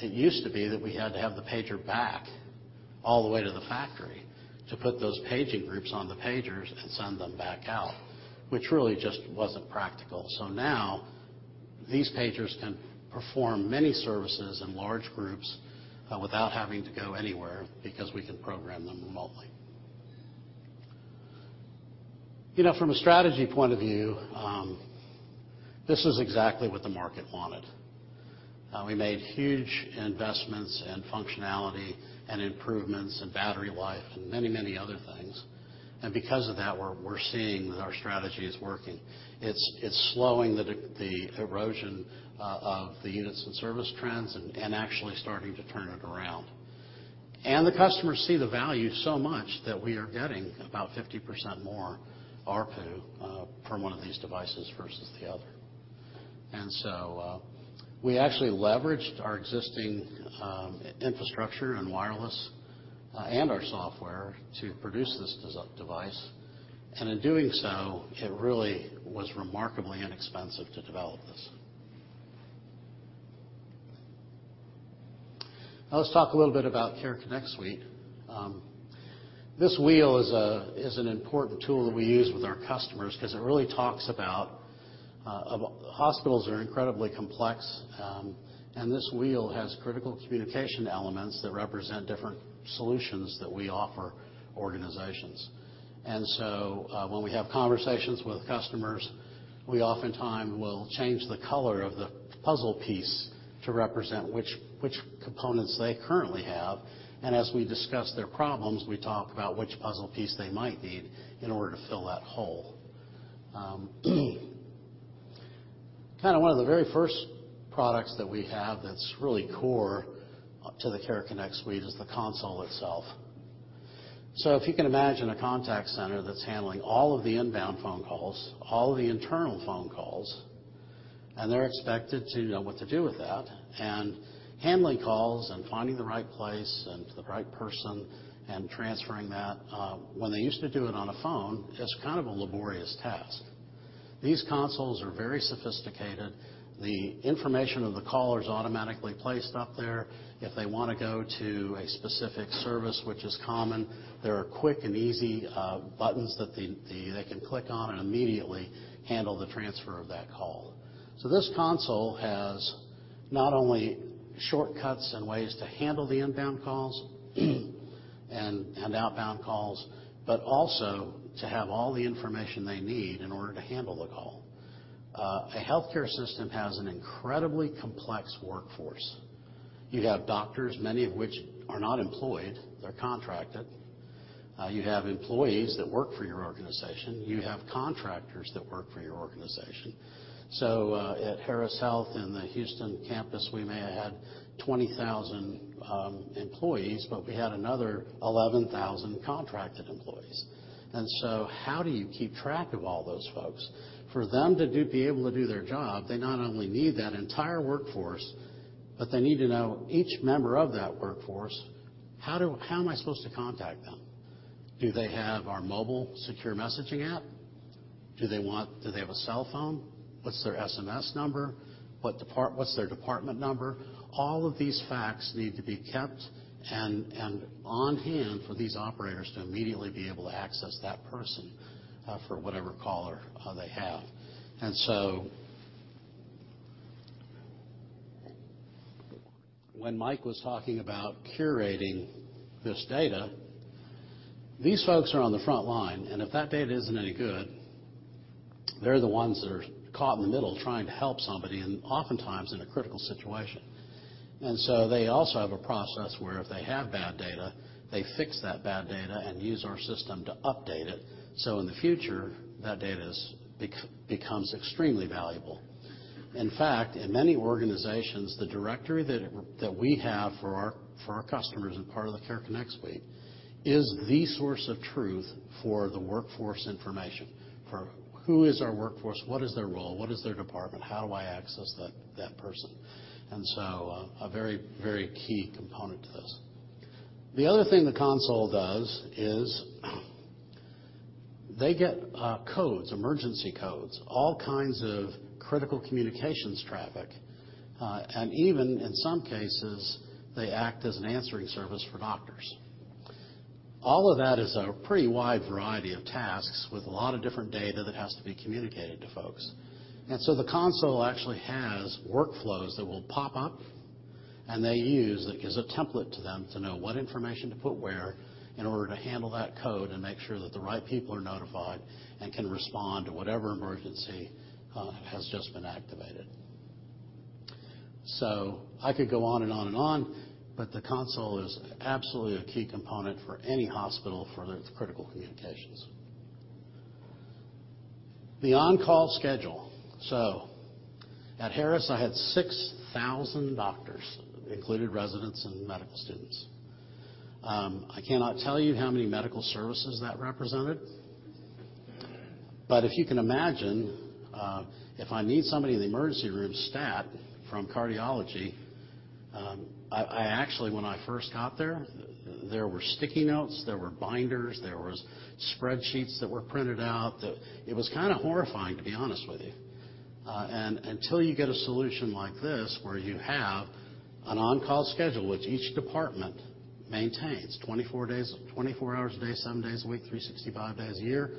It used to be that we had to have the pager back all the way to the factory to put those paging groups on the pagers and send them back out, which really just wasn't practical. Now these pagers can perform many services in large groups without having to go anywhere because we can program them remotely. You know, from a strategy point of view, this is exactly what the market wanted. We made huge investments and functionality and improvements in battery life and many, many other things, and because of that, we're seeing that our strategy is working. It's slowing the erosion of the units and service trends and actually starting to turn it around. The customers see the value so much that we are getting about 50% more ARPU from one of these devices versus the other. We actually leveraged our existing infrastructure and wireless and our software to produce this device, and in doing so, it really was remarkably inexpensive to develop this. Now let's talk a little bit about Care Connect Suite. This wheel is an important tool that we use with our customers because it really talks about hospitals are incredibly complex, and this wheel has critical communication elements that represent different solutions that we offer organizations. When we have conversations with customers, we oftentimes will change the color of the puzzle piece to represent which components they currently have. As we discuss their problems, we talk about which puzzle piece they might need in order to fill that hole. Kinda one of the very first products that we have that's really core up to the Care Connect Suite is the console itself. If you can imagine a contact center that's handling all of the inbound phone calls, all the internal phone calls. They're expected to know what to do with that. Handling calls and finding the right place and the right person and transferring that, when they used to do it on a phone, it's kind of a laborious task. These consoles are very sophisticated. The information of the caller is automatically placed up there. If they wanna go to a specific service, which is common, there are quick and easy buttons that they can click on and immediately handle the transfer of that call. This console has not only shortcuts and ways to handle the inbound calls and outbound calls, but also to have all the information they need in order to handle the call. A healthcare system has an incredibly complex workforce. You have doctors, many of which are not employed, they're contracted. You have employees that work for your organization. You have contractors that work for your organization. At Harris Health in the Houston campus, we may have had 20,000 employees, but we had another 11,000 contracted employees. How do you keep track of all those folks? For them to be able to do their job, they not only need that entire workforce, but they need to know each member of that workforce, how am I supposed to contact them? Do they have our mobile secure messaging app? Do they have a cell phone? What's their SMS number? What's their department number? All of these facts need to be kept and on hand for these operators to immediately be able to access that person for whatever caller they have. When Mike was talking about curating this data, these folks are on the front line. If that data isn't any good, they're the ones that are caught in the middle trying to help somebody, oftentimes in a critical situation. They also have a process where if they have bad data, they fix that bad data and use our system to update it, so in the future, that data becomes extremely valuable. In fact, in many organizations, the directory that we have for our customers as part of the Care Connect suite is the source of truth for the workforce information. For who is our workforce? What is their role? What is their department? How do I access that person? A very, very key component to this. The other thing the console does is they get codes, emergency codes, all kinds of critical communications traffic, and even in some cases, they act as an answering service for doctors. All of that is a pretty wide variety of tasks with a lot of different data that has to be communicated to folks. The console actually has workflows that will pop up, and they use. It gives a template to them to know what information to put where in order to handle that code and make sure that the right people are notified and can respond to whatever emergency has just been activated. I could go on and on and on, but the console is absolutely a key component for any hospital for its critical communications. The on-call schedule. At Harris, I had 6,000 doctors, including residents and medical students. I cannot tell you how many medical services that represented. If you can imagine, if I need somebody in the emergency room stat from cardiology, I actually when I first got there were sticky notes, there were binders, there was spreadsheets that were printed out that it was kinda horrifying, to be honest with you. Until you get a solution like this where you have an on-call schedule, which each department maintains 24 hours a day, seven days a week, 365 days a year.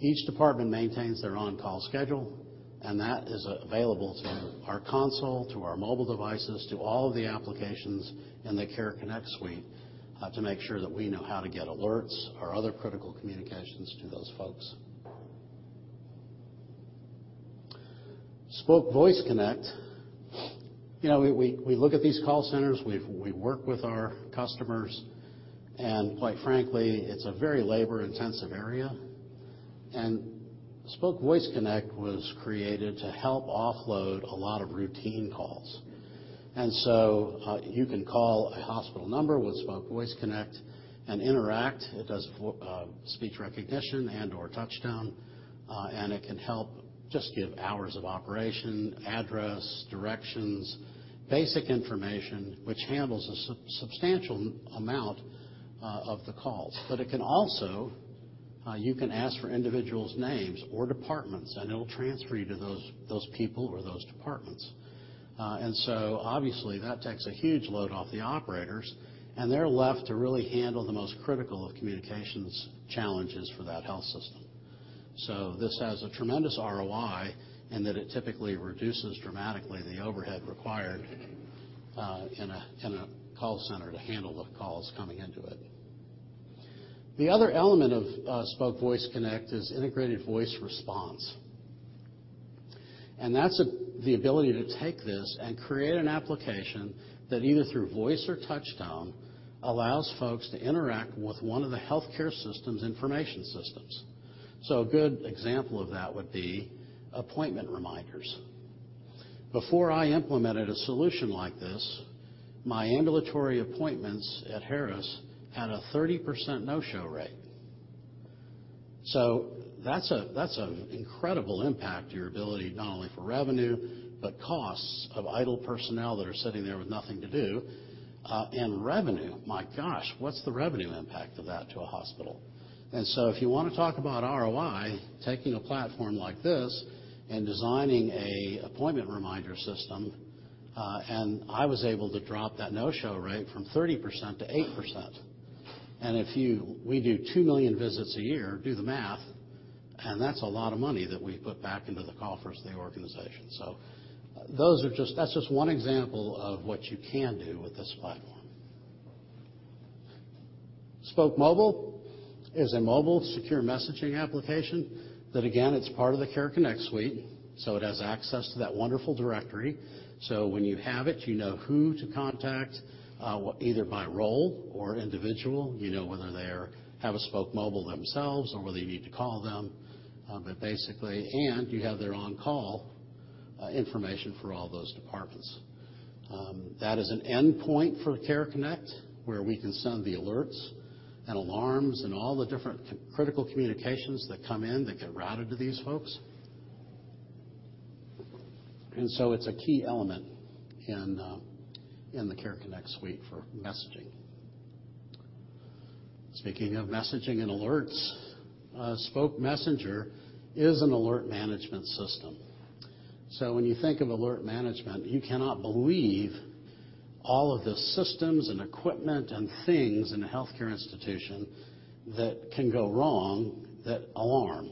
Each department maintains their on-call schedule, and that is available to our console, to our mobile devices, to all of the applications in the Care Connect suite, to make sure that we know how to get alerts or other critical communications to those folks. Spok Voice Connect. You know, we look at these call centers, we work with our customers, and quite frankly, it's a very labor-intensive area. Spok Voice Connect was created to help offload a lot of routine calls. You can call a hospital number with Spok Voice Connect and interact. It does speech recognition and/or touch tone, and it can help just give hours of operation, address, directions. Basic information which handles a substantial amount of the calls. It can also, you can ask for individuals' names or departments, and it'll transfer you to those people or those departments. Obviously, that takes a huge load off the operators, and they're left to really handle the most critical of communications challenges for that health system. This has a tremendous ROI in that it typically reduces dramatically the overhead required in a call center to handle the calls coming into it. The other element of Spok Voice Connect is integrated voice response. That's the ability to take this and create an application that either through voice or touch tone allows folks to interact with one of the healthcare system's information systems. A good example of that would be appointment reminders. Before I implemented a solution like this, my ambulatory appointments at Harris Health System had a 30% no-show rate. That's an incredible impact to your ability, not only for revenue, but costs of idle personnel that are sitting there with nothing to do. Revenue, my gosh, what's the revenue impact of that to a hospital? If you wanna talk about ROI, taking a platform like this and designing an appointment reminder system, and I was able to drop that no-show rate from 30%-8%. We do 2 million visits a year, do the math, and that's a lot of money that we put back into the coffers of the organization. That's just one example of what you can do with this platform. Spok Mobile is a mobile secure messaging application that again, it's part of the Spok Care Connect Suite. It has access to that wonderful directory. When you have it, you know who to contact, either by role or individual. You know whether they have a Spok Mobile themselves or whether you need to call them. You have their on-call information for all those departments. That is an endpoint for Spok Care Connect, where we can send the alerts and alarms and all the different critical communications that come in that get routed to these folks. It's a key element in the Spok Care Connect Suite for messaging. Speaking of messaging and alerts, Spok Messenger is an alert management system. When you think of alert management, you cannot believe all of the systems and equipment and things in a healthcare institution that can go wrong that alarm.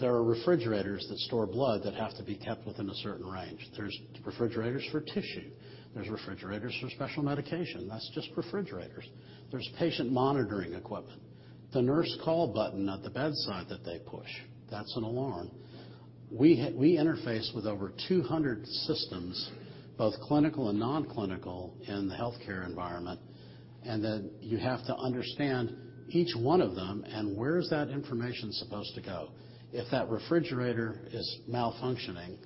There are refrigerators that store blood that have to be kept within a certain range. There's refrigerators for tissue. There's refrigerators for special medication. That's just refrigerators. There's patient monitoring equipment. The nurse call button at the bedside that they push, that's an alarm. We interface with over 200 systems, both clinical and non-clinical, in the healthcare environment, and then you have to understand each one of them and where is that information supposed to go. If that refrigerator is malfunctioning,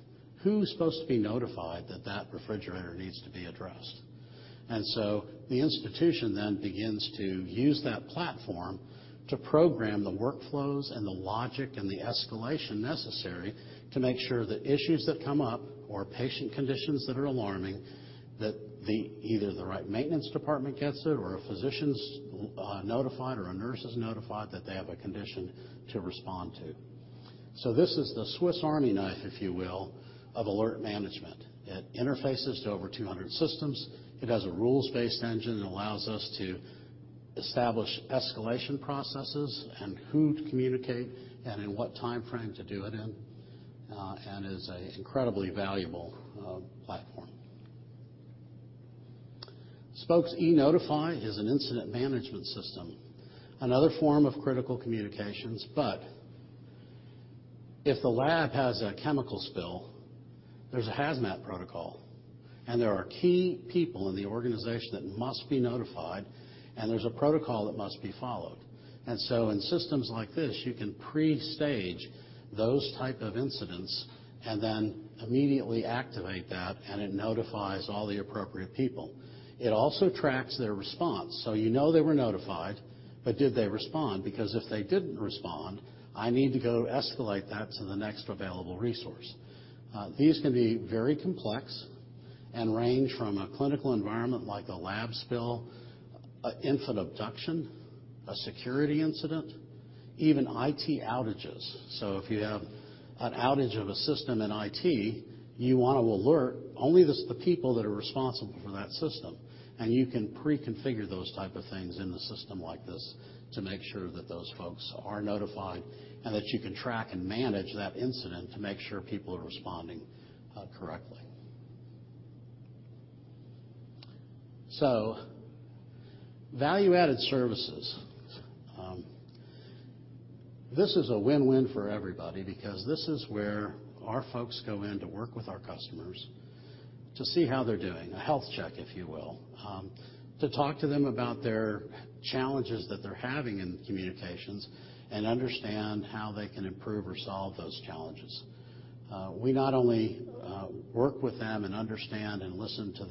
who's supposed to be notified that that refrigerator needs to be addressed? The institution then begins to use that platform to program the workflows and the logic and the escalation necessary to make sure that issues that come up or patient conditions that are alarming, that either the right maintenance department gets it or a physician's notified or a nurse is notified that they have a condition to respond to. This is the Swiss Army knife, if you will, of alert management. It interfaces to over 200 systems. It has a rules-based engine that allows us to establish escalation processes and who to communicate and in what timeframe to do it in, and is a incredibly valuable platform. Spok's e.Notify is an incident management system, another form of critical communications. If the lab has a chemical spill, there's a HAZMAT protocol, and there are key people in the organization that must be notified, and there's a protocol that must be followed. In systems like this, you can pre-stage those type of incidents and then immediately activate that, and it notifies all the appropriate people. It also tracks their response, so you know they were notified, but did they respond? Because if they didn't respond, I need to go escalate that to the next available resource. These can be very complex and range from a clinical environment like a lab spill, a infant abduction, a security incident, even IT outages. If you have an outage of a system in IT, you wanna alert only the people that are responsible for that system, and you can pre-configure those type of things in a system like this to make sure that those folks are notified and that you can track and manage that incident to make sure people are responding correctly. Value-added services. This is a win-win for everybody because this is where our folks go in to work with our customers to see how they're doing, a health check, if you will, to talk to them about their challenges that they're having in communications and understand how they can improve or solve those challenges. We not only, work with them and understand and listen to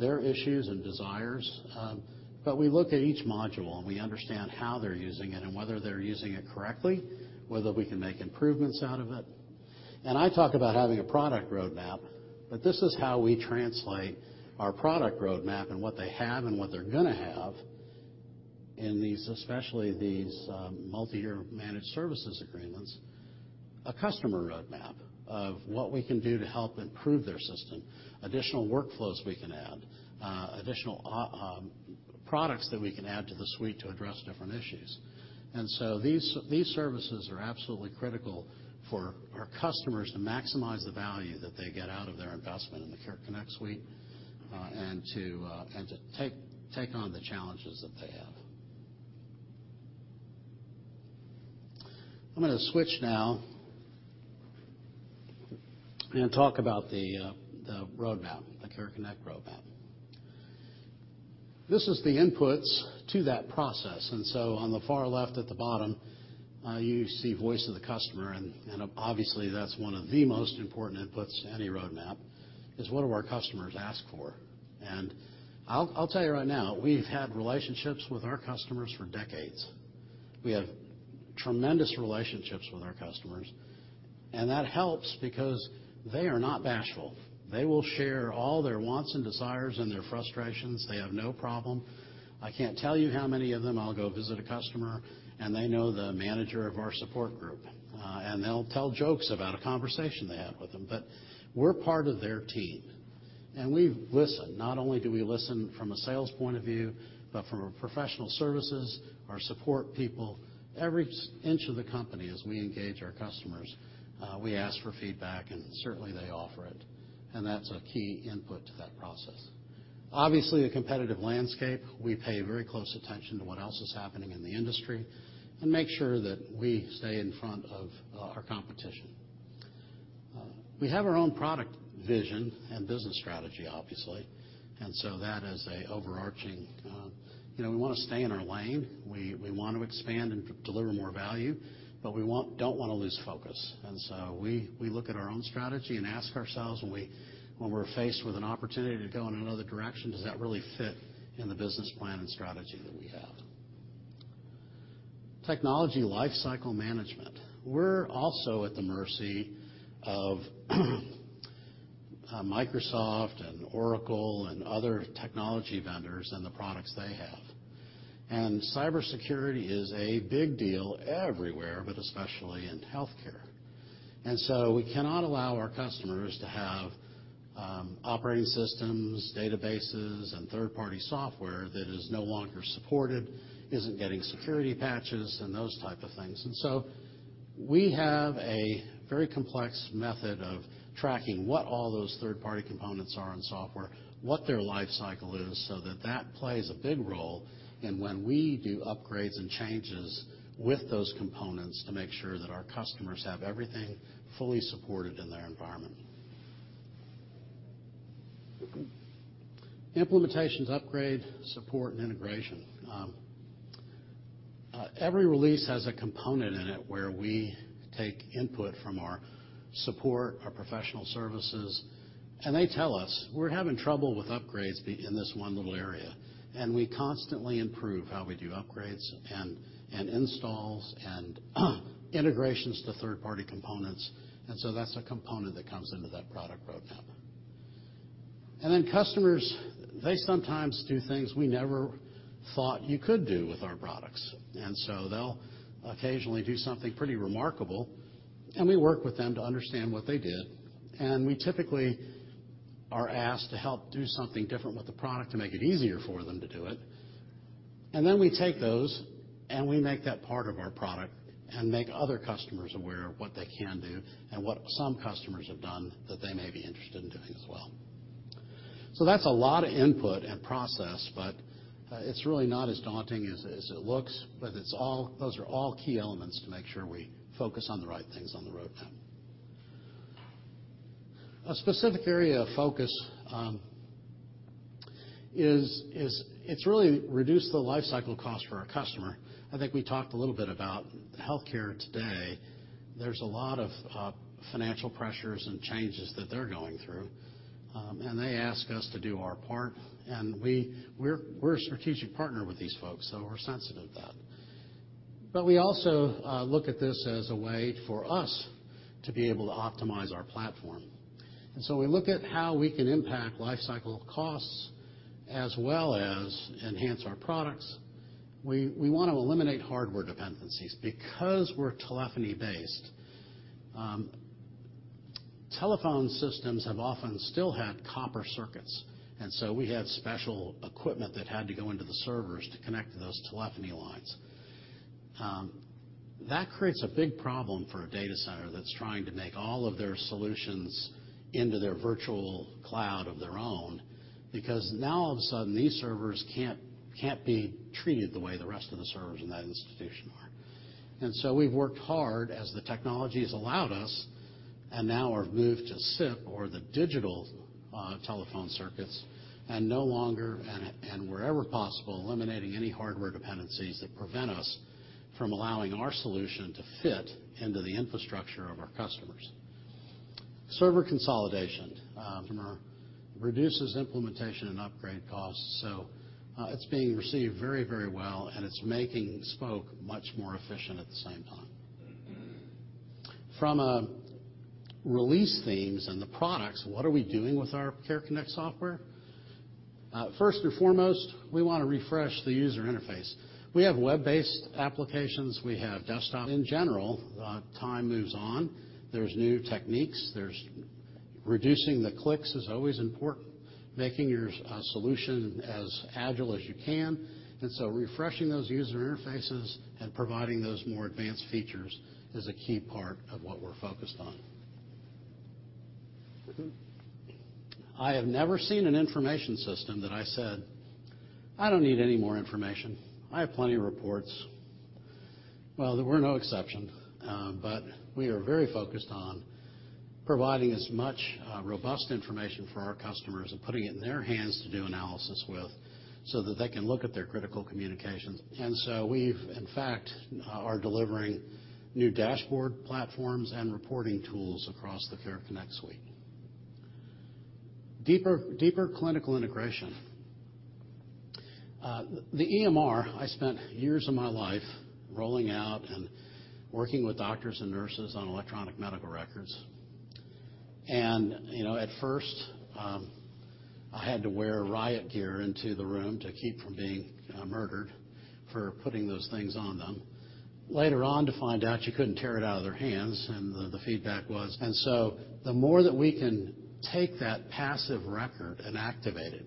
their issues and desires, we look at each module, and we understand how they're using it and whether they're using it correctly, whether we can make improvements out of it. I talk about having a product roadmap, this is how we translate our product roadmap and what they have and what they're gonna have in these, especially these, multi-year managed services agreements, a customer roadmap of what we can do to help improve their system, additional workflows we can add, additional products that we can add to the suite to address different issues. These services are absolutely critical for our customers to maximize the value that they get out of their investment in the Care Connect suite, and to take on the challenges that they have. I'm gonna switch now and talk about the roadmap, the Care Connect roadmap. This is the inputs to that process, on the far left at the bottom, you see voice of the customer, and obviously, that's one of the most important inputs to any roadmap, is what do our customers ask for. I'll tell you right now, we've had relationships with our customers for decades. We have tremendous relationships with our customers, and that helps because they are not bashful. They will share all their wants and desires and their frustrations. They have no problem. I can't tell you how many of them, I'll go visit a customer, and they know the manager of our support group. They'll tell jokes about a conversation they had with them. We're part of their team, and we listen. Not only do we listen from a sales point of view, but from our professional services, our support people. Every inch of the company, as we engage our customers, we ask for feedback, and certainly they offer it. That's a key input to that process. Obviously, the competitive landscape, we pay very close attention to what else is happening in the industry and make sure that we stay in front of our competition. We have our own product vision and business strategy, obviously, that is a overarching. You know, we wanna stay in our lane. We want to expand and deliver more value, but we don't wanna lose focus. We look at our own strategy and ask ourselves when we're faced with an opportunity to go in another direction, does that really fit in the business plan and strategy that we have? Technology lifecycle management. We're also at the mercy of Microsoft and Oracle and other technology vendors and the products they have. Cybersecurity is a big deal everywhere, but especially in healthcare. We cannot allow our customers to have operating systems, databases, and third-party software that is no longer supported, isn't getting security patches, and those type of things. We have a very complex method of tracking what all those third-party components are in software, what their lifecycle is, so that that plays a big role in when we do upgrades and changes with those components to make sure that our customers have everything fully supported in their environment. Implementations, upgrade, support, and integration. Every release has a component in it where we take input from our support, our professional services, and they tell us, "We're having trouble with upgrades in this one little area." We constantly improve how we do upgrades and installs and integrations to third-party components. That's a component that comes into that product roadmap. Customers, they sometimes do things we never thought you could do with our products. They'll occasionally do something pretty remarkable, and we work with them to understand what they did. We typically are asked to help do something different with the product to make it easier for them to do it. Then we take those, and we make that part of our product and make other customers aware of what they can do and what some customers have done that they may be interested in doing as well. That's a lot of input and process, but it's really not as daunting as it looks. Those are all key elements to make sure we focus on the right things on the roadmap. A specific area of focus is it's really reduce the lifecycle cost for our customer. I think we talked a little bit about healthcare today. There's a lot of financial pressures and changes that they're going through. They ask us to do our part, and we're a strategic partner with these folks. We're sensitive to that. We also look at this as a way for us to be able to optimize our platform. We look at how we can impact lifecycle costs as well as enhance our products. We want to eliminate hardware dependencies. We're telephony-based. Telephone systems have often still had copper circuits. We had special equipment that had to go into the servers to connect to those telephony lines. That creates a big problem for a data center that's trying to make all of their solutions into their virtual cloud of their own, because now all of a sudden, these servers can't be treated the way the rest of the servers in that institution are. We've worked hard as the technologies allowed us, and now are moved to SIP or the digital telephone circuits, and no longer, and wherever possible, eliminating any hardware dependencies that prevent us from allowing our solution to fit into the infrastructure of our customers. Server consolidation from our reduces implementation and upgrade costs, so, it's being received very, very well, and it's making Spok much more efficient at the same time. From a release themes and the products, what are we doing with our Care Connect software? First and foremost, we wanna refresh the user interface. We have web-based applications. We have desktop. In general, time moves on. There's new techniques. Reducing the clicks is always important, making your solution as agile as you can, refreshing those user interfaces and providing those more advanced features is a key part of what we're focused on. I have never seen an information system that I said, "I don't need any more information. I have plenty of reports." Well, there were no exception, but we are very focused on providing as much robust information for our customers and putting it in their hands to do analysis with so that they can look at their critical communications. We've, in fact, are delivering new dashboard platforms and reporting tools across the Spok Care Connect suite. Deeper clinical integration. The EMR, I spent years of my life rolling out and working with doctors and nurses on electronic medical records. You know, at first, I had to wear riot gear into the room to keep from being murdered for putting those things on them. Later on, to find out you couldn't tear it out of their hands, the feedback was. The more that we can take that passive record and activate it,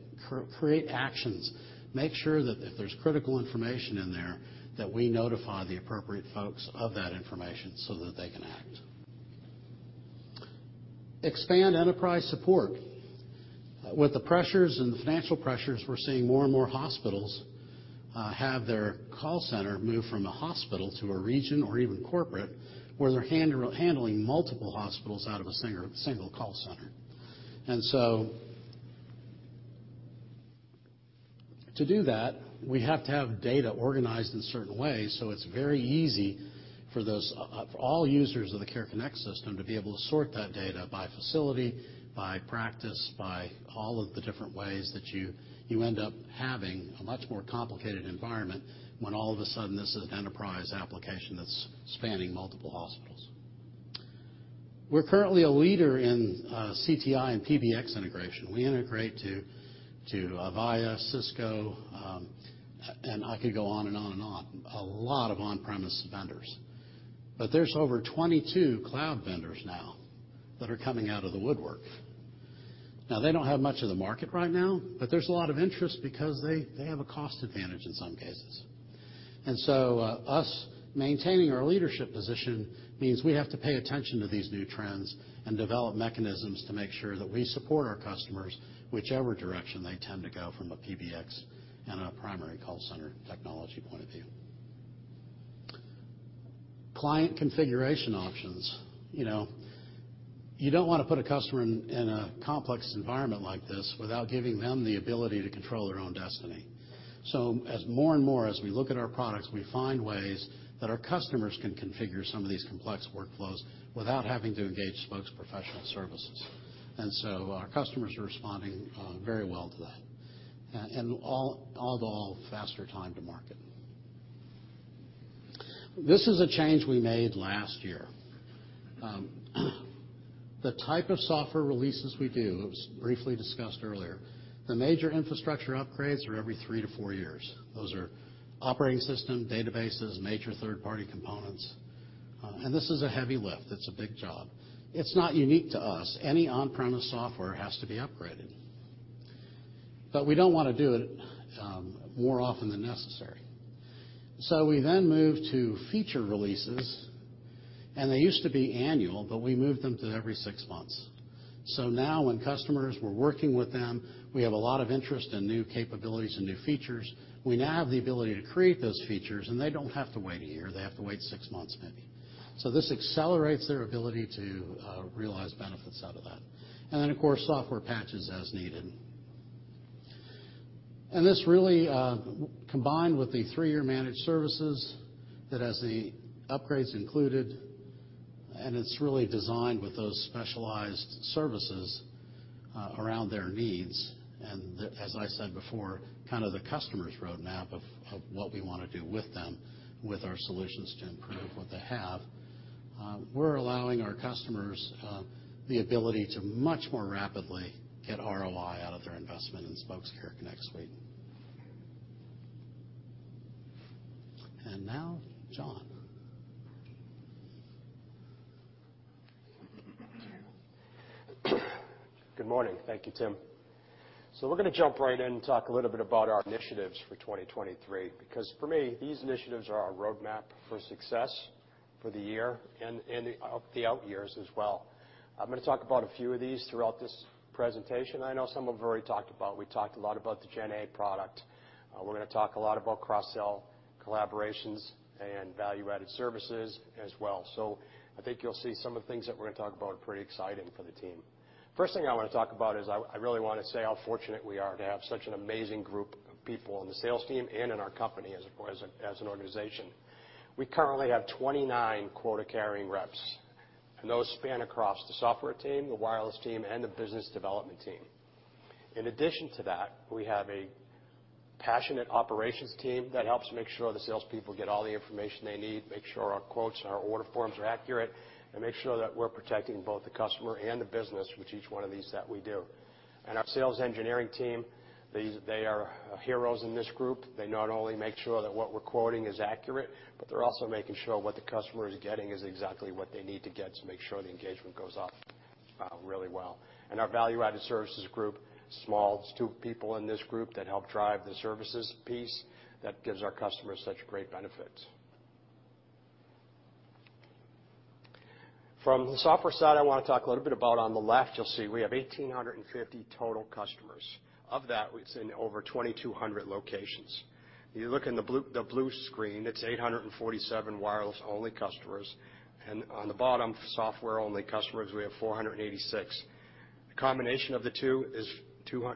create actions, make sure that if there's critical information in there, that we notify the appropriate folks of that information so that they can act. Expand enterprise support. With the pressures and the financial pressures, we're seeing more and more hospitals have their call center move from a hospital to a region or even corporate, where they're handling multiple hospitals out of a single call center. To do that, we have to have data organized in certain ways, so it's very easy for those, for all users of the Spok Care Connect system to be able to sort that data by facility, by practice, by all of the different ways that you end up having a much more complicated environment when all of a sudden this is an enterprise application that's spanning multiple hospitals. We're currently a leader in CTI and PBX integration. We integrate to Avaya, Cisco, and I could go on and on and on. A lot of on-premise vendors. There's over 22 cloud vendors now that are coming out of the woodwork. They don't have much of the market right now, but there's a lot of interest because they have a cost advantage in some cases. Us maintaining our leadership position means we have to pay attention to these new trends and develop mechanisms to make sure that we support our customers whichever direction they tend to go from a PBX and a primary call center technology point of view. Client configuration options. You know, you don't wanna put a customer in a complex environment like this without giving them the ability to control their own destiny. As more and more, as we look at our products, we find ways that our customers can configure some of these complex workflows without having to engage Spok's professional services. Our customers are responding, very well to that. All in all, faster time to market. This is a change we made last year. The type of software releases we do, it was briefly discussed earlier, the major infrastructure upgrades are every three to four years. Those are operating system, databases, major third-party components. This is a heavy lift. It's a big job. It's not unique to us. Any on-premise software has to be upgraded. We don't wanna do it more often than necessary. We then move to feature releases, and they used to be annual, but we moved them to every 6 months. Now when customers, we're working with them, we have a lot of interest in new capabilities and new features, we now have the ability to create those features, and they don't have to wait one year. They have to wait six months maybe. This accelerates their ability to realize benefits out of that. Of course, software patches as needed. This really, combined with the three year managed services that has the upgrades included. It's really designed with those specialized services, around their needs, and the, as I said before, kind of the customer's roadmap of what we wanna do with them, with our solutions to improve what they have, we're allowing our customers, the ability to much more rapidly get ROI out of their investment in Spok Care Connect suite. Now, John. Good morning. Thank you, Tim. We're gonna jump right in and talk a little bit about our initiatives for 2023, because for me, these initiatives are our roadmap for success for the year and the out years as well. I'm gonna talk about a few of these throughout this presentation. I know some I've already talked about. We talked a lot about the GenA product. We're gonna talk a lot about cross-sell collaborations and value-added services as well. I think you'll see some of the things that we're gonna talk about are pretty exciting for the team. First thing I wanna talk about is I really wanna say how fortunate we are to have such an amazing group of people on the sales team and in our company as an organization. We currently have 29 quota-carrying reps. Those span across the software team, the wireless team, the business development team. In addition to that, we have a passionate operations team that helps make sure the salespeople get all the information they need, make sure our quotes and our order forms are accurate, make sure that we're protecting both the customer and the business with each one of these that we do. Our sales engineering team, they are heroes in this group. They not only make sure that what we're quoting is accurate, but they're also making sure what the customer is getting is exactly what they need to get to make sure the engagement goes off really well. Our value-added services group, small, it's 2 people in this group that help drive the services piece that gives our customers such great benefits. From the software side, I wanna talk a little bit about on the left, you'll see we have 1,850 total customers. Of that, it's in over 2,200 locations. You look in the blue, the blue screen, it's 847 wireless-only customers. On the bottom, software-only customers, we have 486. The combination of the two is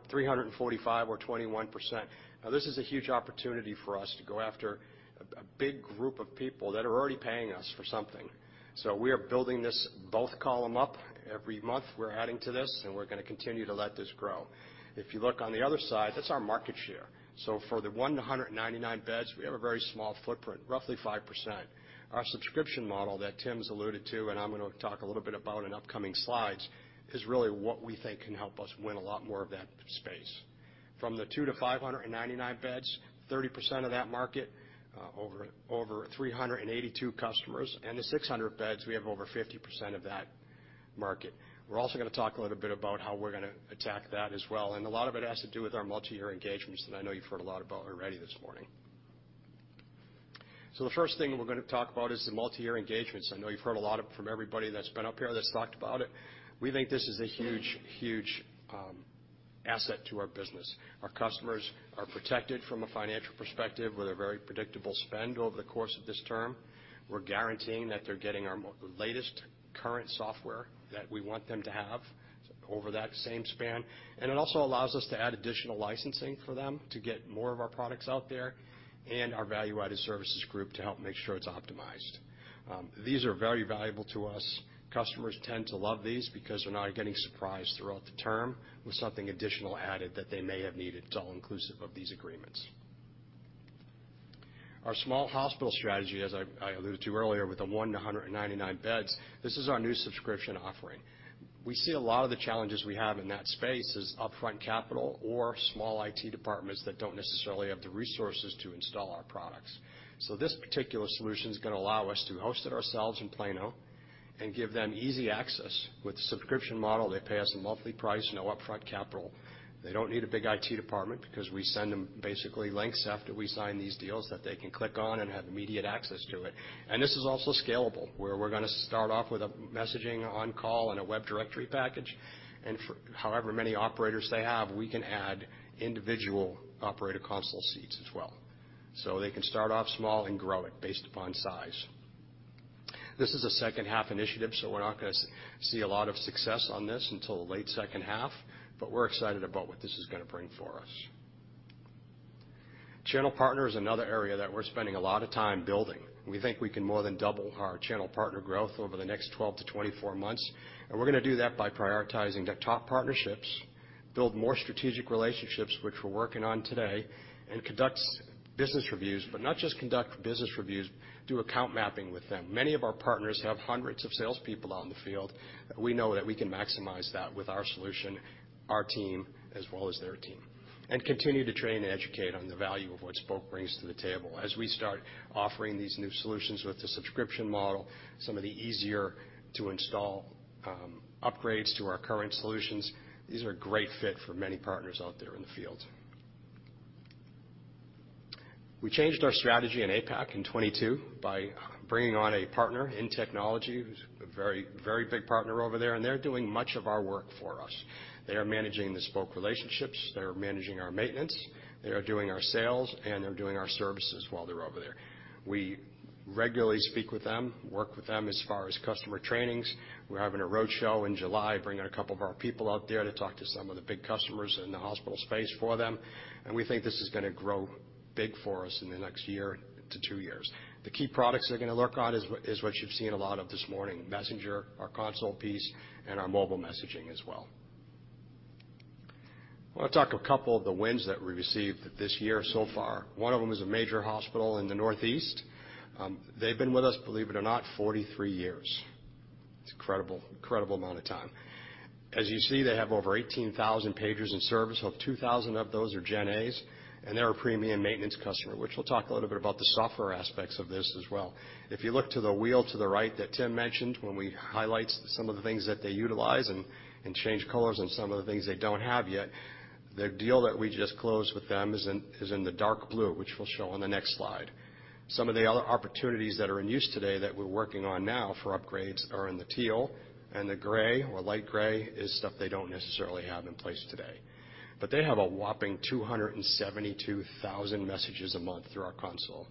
345 or 21%. This is a huge opportunity for us to go after a big group of people that are already paying us for something. We are building this both column up. Every month, we're adding to this, and we're gonna continue to let this grow. If you look on the other side, that's our market share. For the 1-199 beds, we have a very small footprint, roughly 5%. Our subscription model that Tim's alluded to, and I'm gonna talk a little bit about in upcoming slides, is really what we think can help us win a lot more of that space. From the 2-599 beds, 30% of that market, over 382 customers. The 600 beds, we have over 50% of that market. We're also gonna talk a little bit about how we're gonna attack that as well, and a lot of it has to do with our multiyear engagements that I know you've heard a lot about already this morning. The first thing that we're gonna talk about is the multiyear engagements. I know you've heard a lot from everybody that's been up here that's talked about it. We think this is a huge asset to our business. Our customers are protected from a financial perspective with a very predictable spend over the course of this term. We're guaranteeing that they're getting our latest current software that we want them to have over that same span. It also allows us to add additional licensing for them to get more of our products out there and our value-added services group to help make sure it's optimized. These are very valuable to us. Customers tend to love these because they're not getting surprised throughout the term with something additional added that they may have needed. It's all inclusive of these agreements. Our small hospital strategy, as I alluded to earlier, with the one to 199 beds, this is our new subscription offering. We see a lot of the challenges we have in that space is upfront capital or small IT departments that don't necessarily have the resources to install our products. This particular solution's gonna allow us to host it ourselves in Plano and give them easy access. With the subscription model, they pay us a monthly price, no upfront capital. They don't need a big IT department because we send them basically links after we sign these deals that they can click on and have immediate access to it. This is also scalable, where we're gonna start off with a messaging on-call and a web directory package. For however many operators they have, we can add individual operator console seats as well. They can start off small and grow it based upon size. This is a second half initiative, we're not gonna see a lot of success on this until late second half, we're excited about what this is gonna bring for us. Channel partner is another area that we're spending a lot of time building. We think we can more than double our channel partner growth over the next 12-24 months, and we're gonna do that by prioritizing the top partnerships, build more strategic relationships, which we're working on today, and conducts business reviews. Not just conduct business reviews, do account mapping with them. Many of our partners have hundreds of salespeople out in the field. We know that we can maximize that with our solution, our team, as well as their team, and continue to train and educate on the value of what Spok brings to the table. As we start offering these new solutions with the subscription model, some of the easier to install, upgrades to our current solutions, these are a great fit for many partners out there in the field. We changed our strategy in APAC in 2022 by bringing on a partner in technology who's a very big partner over there, and they're doing much of our work for us. They are managing the Spok relationships. They are managing our maintenance. They are doing our sales, and they're doing our services while they're over there. We regularly speak with them, work with them as far as customer trainings. We're having a roadshow in July, bringing a couple of our people out there to talk to some of the big customers in the hospital space for them. We think this is gonna grow big for us in the next year to two years. The key products they're gonna work on is what you've seen a lot of this morning, Spok Messenger, our console piece, and our mobile messaging as well. I wanna talk a couple of the wins that we received this year so far. One of them is a major hospital in the Northeast. They've been with us, believe it or not, 43 years. It's incredible amount of time. As you see, they have over 18,000 pagers in service. Of 2,000 of those are GenA, they're a premium maintenance customer, which we'll talk a little bit about the software aspects of this as well. If you look to the wheel to the right that Tim mentioned, when we highlight some of the things that they utilize and change colors on some of the things they don't have yet, their deal that we just closed with them is in, is in the dark blue, which we'll show on the next slide. Some of the other opportunities that are in use today that we're working on now for upgrades are in the teal and the gray or light gray is stuff they don't necessarily have in place today. They have a whopping 272,000 messages a month through our console.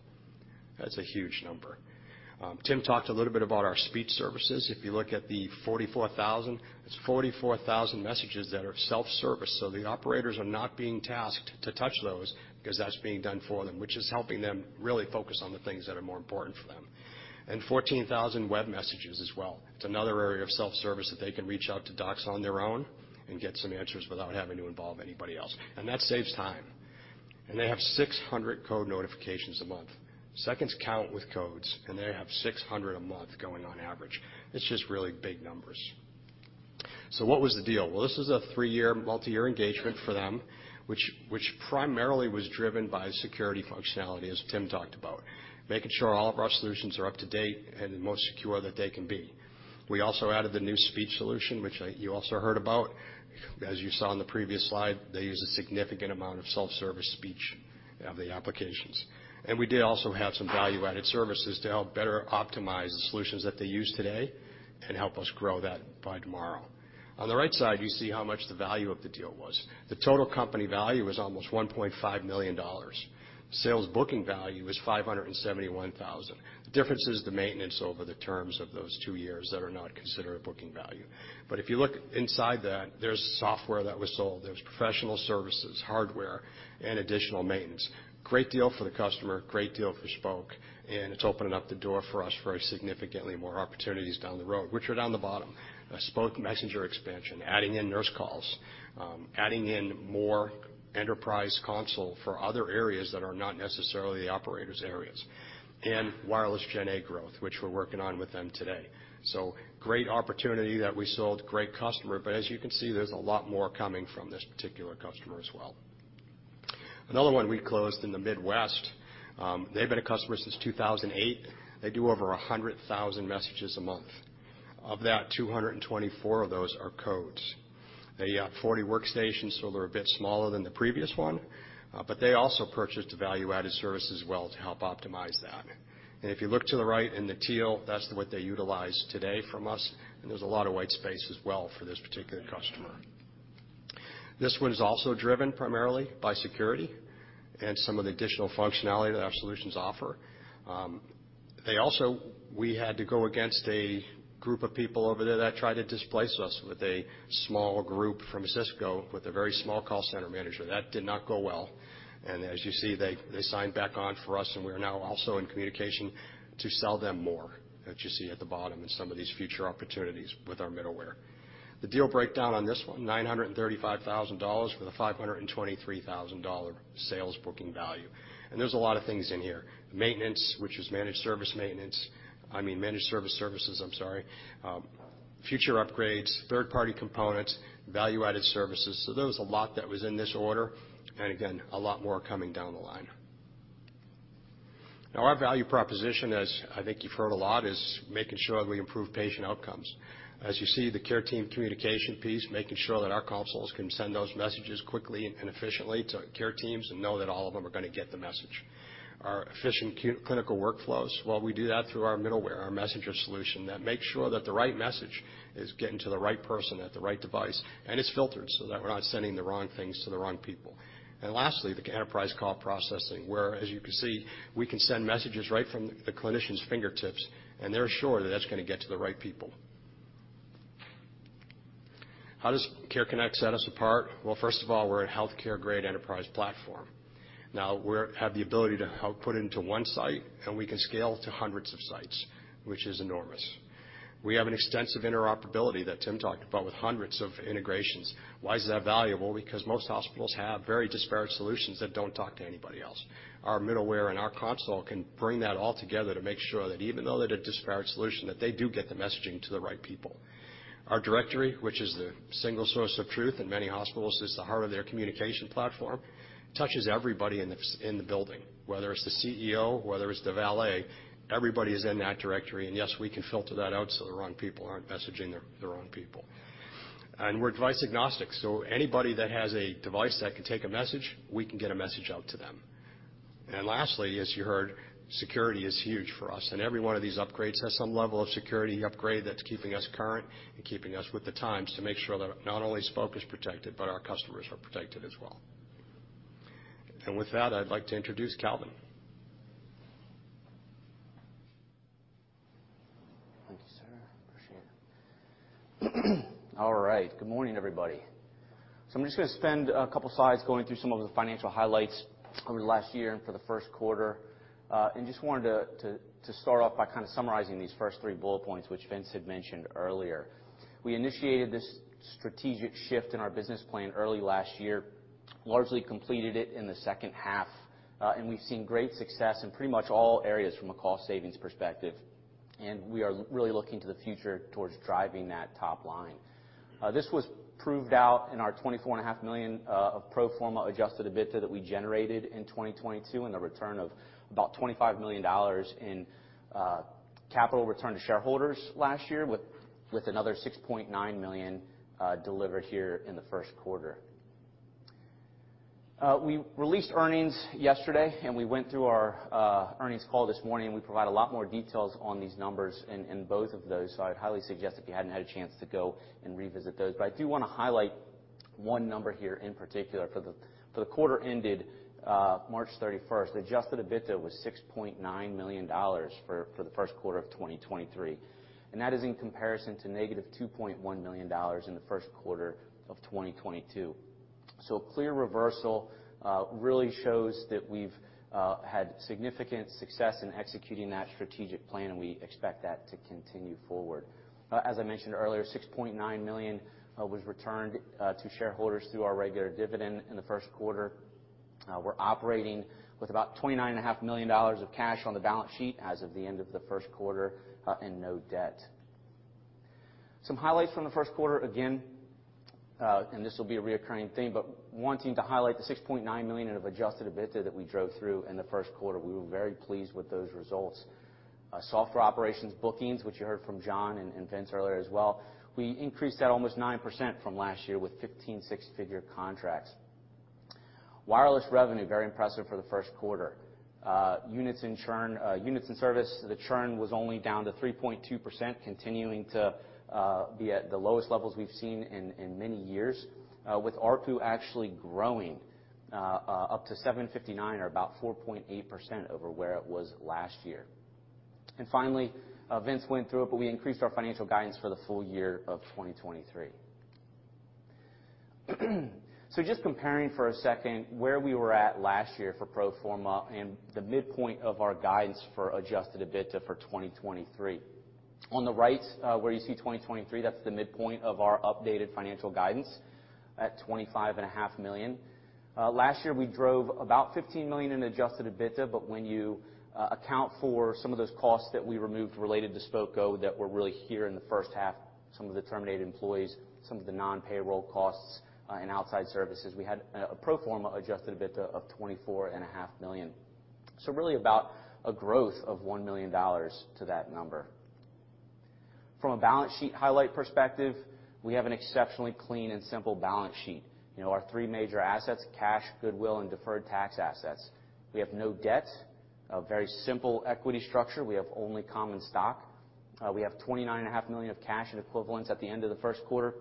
That's a huge number. Tim talked a little bit about our speech services. If you look at the 44,000, it's 44,000 messages that are self-service, so the operators are not being tasked to touch those 'cause that's being done for them, which is helping them really focus on the things that are more important for them. 14,000 web messages as well. It's another area of self-service that they can reach out to docs on their own and get some answers without having to involve anybody else, and that saves time. They have 600 code notifications a month. Seconds count with codes, and they have 600 a month going on average. It's just really big numbers. What was the deal? Well, this is a three-year multi-year engagement for them, which primarily was driven by security functionality, as Tim talked about, making sure all of our solutions are up to date and the most secure that they can be. We also added the new speech solution, which you also heard about. As you saw in the previous slide, they use a significant amount of self-service speech. Of the applications. We did also have some value-added services to help better optimize the solutions that they use today and help us grow that by tomorrow. On the right side, you see how much the value of the deal was. The total company value was almost $1.5 million. The sales booking value was $571,000. The difference is the maintenance over the terms of those two years that are not considered a booking value. If you look inside that, there's software that was sold, there was professional services, hardware, and additional maintenance. Great deal for the customer, great deal for Spok, and it's opening up the door for us for significantly more opportunities down the road, which are down the bottom. A Spok Messenger expansion, adding in nurse calls, adding in more enterprise console for other areas that are not necessarily the operators' areas, and wireless GenA growth, which we're working on with them today. Great opportunity that we sold, great customer, as you can see, there's a lot more coming from this particular customer as well. Another one we closed in the Midwest, they've been a customer since 2008. They do over 100,000 messages a month. Of that, 224 of those are codes. They, 40 workstations, so they're a bit smaller than the previous one, but they also purchased the value-added service as well to help optimize that. If you look to the right in the teal, that's what they utilize today from us, and there's a lot of white space as well for this particular customer. This one is also driven primarily by security and some of the additional functionality that our solutions offer. They also. We had to go against a group of people over there that tried to displace us with a small group from Cisco with a very small call center manager. That did not go well. As you see, they signed back on for us, and we are now also in communication to sell them more, as you see at the bottom in some of these future opportunities with our middleware. The deal breakdown on this one, $935,000 for the $523,000 sales booking value. There's a lot of things in here. Maintenance, which is managed service maintenance. I mean, managed service services, I'm sorry. Future upgrades, third-party components, value-added services. There was a lot that was in this order, and again, a lot more coming down the line. Now, our value proposition, as I think you've heard a lot, is making sure that we improve patient outcomes. As you see, the care team communication piece, making sure that our consoles can send those messages quickly and efficiently to care teams and know that all of them are gonna get the message. Our efficient clinical workflows, well, we do that through our middleware, our Spok Messenger solution that makes sure that the right message is getting to the right person at the right device, and it's filtered so that we're not sending the wrong things to the wrong people. Lastly, the enterprise call processing, where, as you can see, we can send messages right from the clinician's fingertips, and they're sure that that's gonna get to the right people. How does Spok Care Connect set us apart? Well, first of all, we're a healthcare-grade enterprise platform. We have the ability to help put into one site, and we can scale to hundreds of sites, which is enormous. We have an extensive interoperability that Tim Tindle talked about with hundreds of integrations. Why is that valuable? Because most hospitals have very disparate solutions that don't talk to anybody else. Our middleware and our console can bring that all together to make sure that even though they're a disparate solution, that they do get the messaging to the right people. Our directory, which is the single source of truth in many hospitals, is the heart of their communication platform, touches everybody in the building, whether it's the CEO, whether it's the valet, everybody is in that directory. Yes, we can filter that out so the wrong people aren't messaging their own people. We're device agnostic, so anybody that has a device that can take a message, we can get a message out to them. Lastly, as you heard, security is huge for us, and every one of these upgrades has some level of security upgrade that's keeping us current and keeping us with the times to make sure that not only Spok is protected, but our customers are protected as well. With that, I'd like to introduce Calvin. Thank you, sir. Appreciate it. All right. Good morning, everybody. I'm just going to spend two slides going through some of the financial highlights over the last year and for the first quarter. just wanted to start off by kind of summarizing these first three bullet points, which Vince had mentioned earlier. We initiated this strategic shift in our business plan early last year, largely completed it in the second half, we've seen great success in pretty much all areas from a cost savings perspective, and we are really looking to the future towards driving that top line. This was proved out in our $24.5 million of pro forma Adjusted EBITDA that we generated in 2022, and a return of about $25 million in capital return to shareholders last year, with another $6.9 million delivered here in the first quarter. We released earnings yesterday, and we went through our earnings call this morning, and we provide a lot more details on these numbers in both of those. I'd highly suggest if you hadn't had a chance to go and revisit those. I do wanna highlight one number here in particular for the quarter ended, March 31st, Adjusted EBITDA was $6.9 million for the first quarter of 2023, and that is in comparison to negative $2.1 million in the first quarter of 2022. A clear reversal really shows that we've had significant success in executing that strategic plan, and we expect that to continue forward. As I mentioned earlier, $6.9 million was returned to shareholders through our regular dividend in the first quarter. We're operating with about $29 and a half million of cash on the balance sheet as of the end of the first quarter, and no debt. Some highlights from the first quarter, again. This will be a reoccurring theme, wanting to highlight the $6.9 million of Adjusted EBITDA that we drove through in the first quarter. We were very pleased with those results. Software operations bookings, which you heard from John and Vince earlier as well, we increased that almost 9% from last year with 15 six-figure contracts. Wireless revenue, very impressive for the first quarter. Units and churn, units and service, the churn was only down to 3.2%, continuing to be at the lowest levels we've seen in many years, with ARPU actually growing up to $7.59 or about 4.8% over where it was last year. Finally, Vince went through it, we increased our financial guidance for the full year of 2023. Just comparing for a second where we were at last year for pro forma and the midpoint of our guidance for Adjusted EBITDA for 2023. On the right, where you see 2023, that's the midpoint of our updated financial guidance at $25.5 million. Last year we drove about $15 million in Adjusted EBITDA, when you account for some of those costs that we removed related to Spok Go that were really here in the first half, some of the terminated employees, some of the non-payroll costs, and outside services, we had a pro forma Adjusted EBITDA of $24.5 million. Really about a growth of $1 million to that number. From a balance sheet highlight perspective, we have an exceptionally clean and simple balance sheet. You know, our three major assets, cash, goodwill, and deferred tax assets. We have no debt, a very simple equity structure. We have only common stock. We have $29.5 million of cash and equivalents at the end of the first quarter.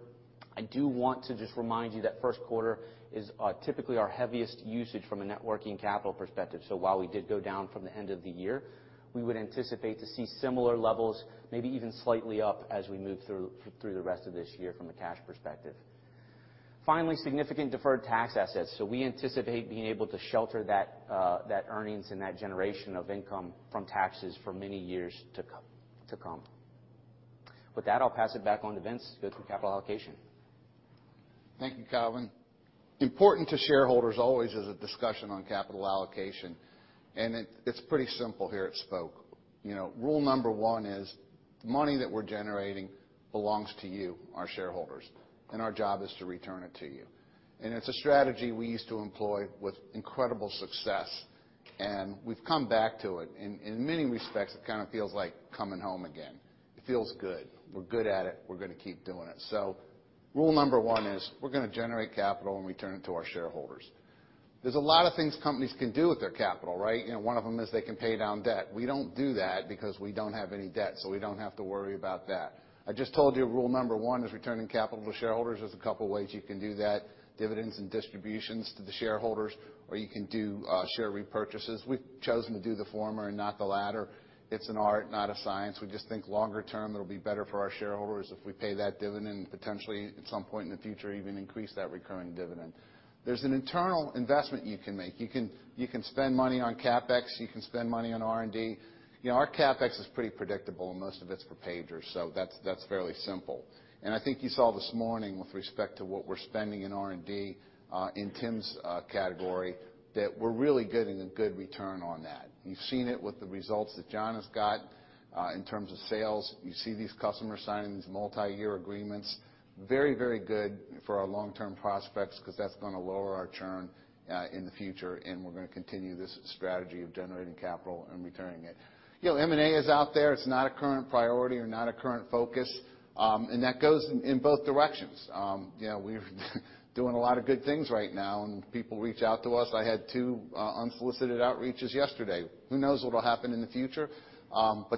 I do want to just remind you that first quarter is typically our heaviest usage from a net working capital perspective. So while we did go down from the end of the year, we would anticipate to see similar levels, maybe even slightly up as we move through the rest of this year from a cash perspective. Finally, significant deferred tax assets. So we anticipate being able to shelter that earnings and that generation of income from taxes for many years to come. With that, I'll pass it back on to Vince to go through capital allocation. Thank you, Calvin. Important to shareholders always is a discussion on capital allocation, It's pretty simple here at Spok. You know, rule number one is the money that we're generating belongs to you, our shareholders, and our job is to return it to you. It's a strategy we used to employ with incredible success, and we've come back to it. In many respects, it kinda feels like coming home again. It feels good. We're good at it. We're gonna keep doing it. Rule number one is we're gonna generate capital and return it to our shareholders. There's a lot of things companies can do with their capital, right? You know, one of them is they can pay down debt. We don't do that because we don't have any debt, We don't have to worry about that. I just told you rule number one is returning capital to shareholders. There's a couple ways you can do that, dividends and distributions to the shareholders, or you can do share repurchases. We've chosen to do the former and not the latter. It's an art, not a science. We just think longer term it'll be better for our shareholders if we pay that dividend, potentially at some point in the future even increase that recurring dividend. There's an internal investment you can make. You can spend money on CapEx, you can spend money on R&D. You know, our CapEx is pretty predictable, and most of it's for pagers, so that's fairly simple. I think you saw this morning with respect to what we're spending in R&D, in Tim's category, that we're really getting a good return on that. You've seen it with the results that John has got in terms of sales. You see these customers signing these multiyear agreements. Very, very good for our long-term prospects, 'cause that's gonna lower our churn in the future. We're gonna continue this strategy of generating capital and returning it. You know, M&A is out there. It's not a current priority or not a current focus. That goes in both directions. You know, we're doing a lot of good things right now. People reach out to us. I had two unsolicited outreaches yesterday. Who knows what'll happen in the future?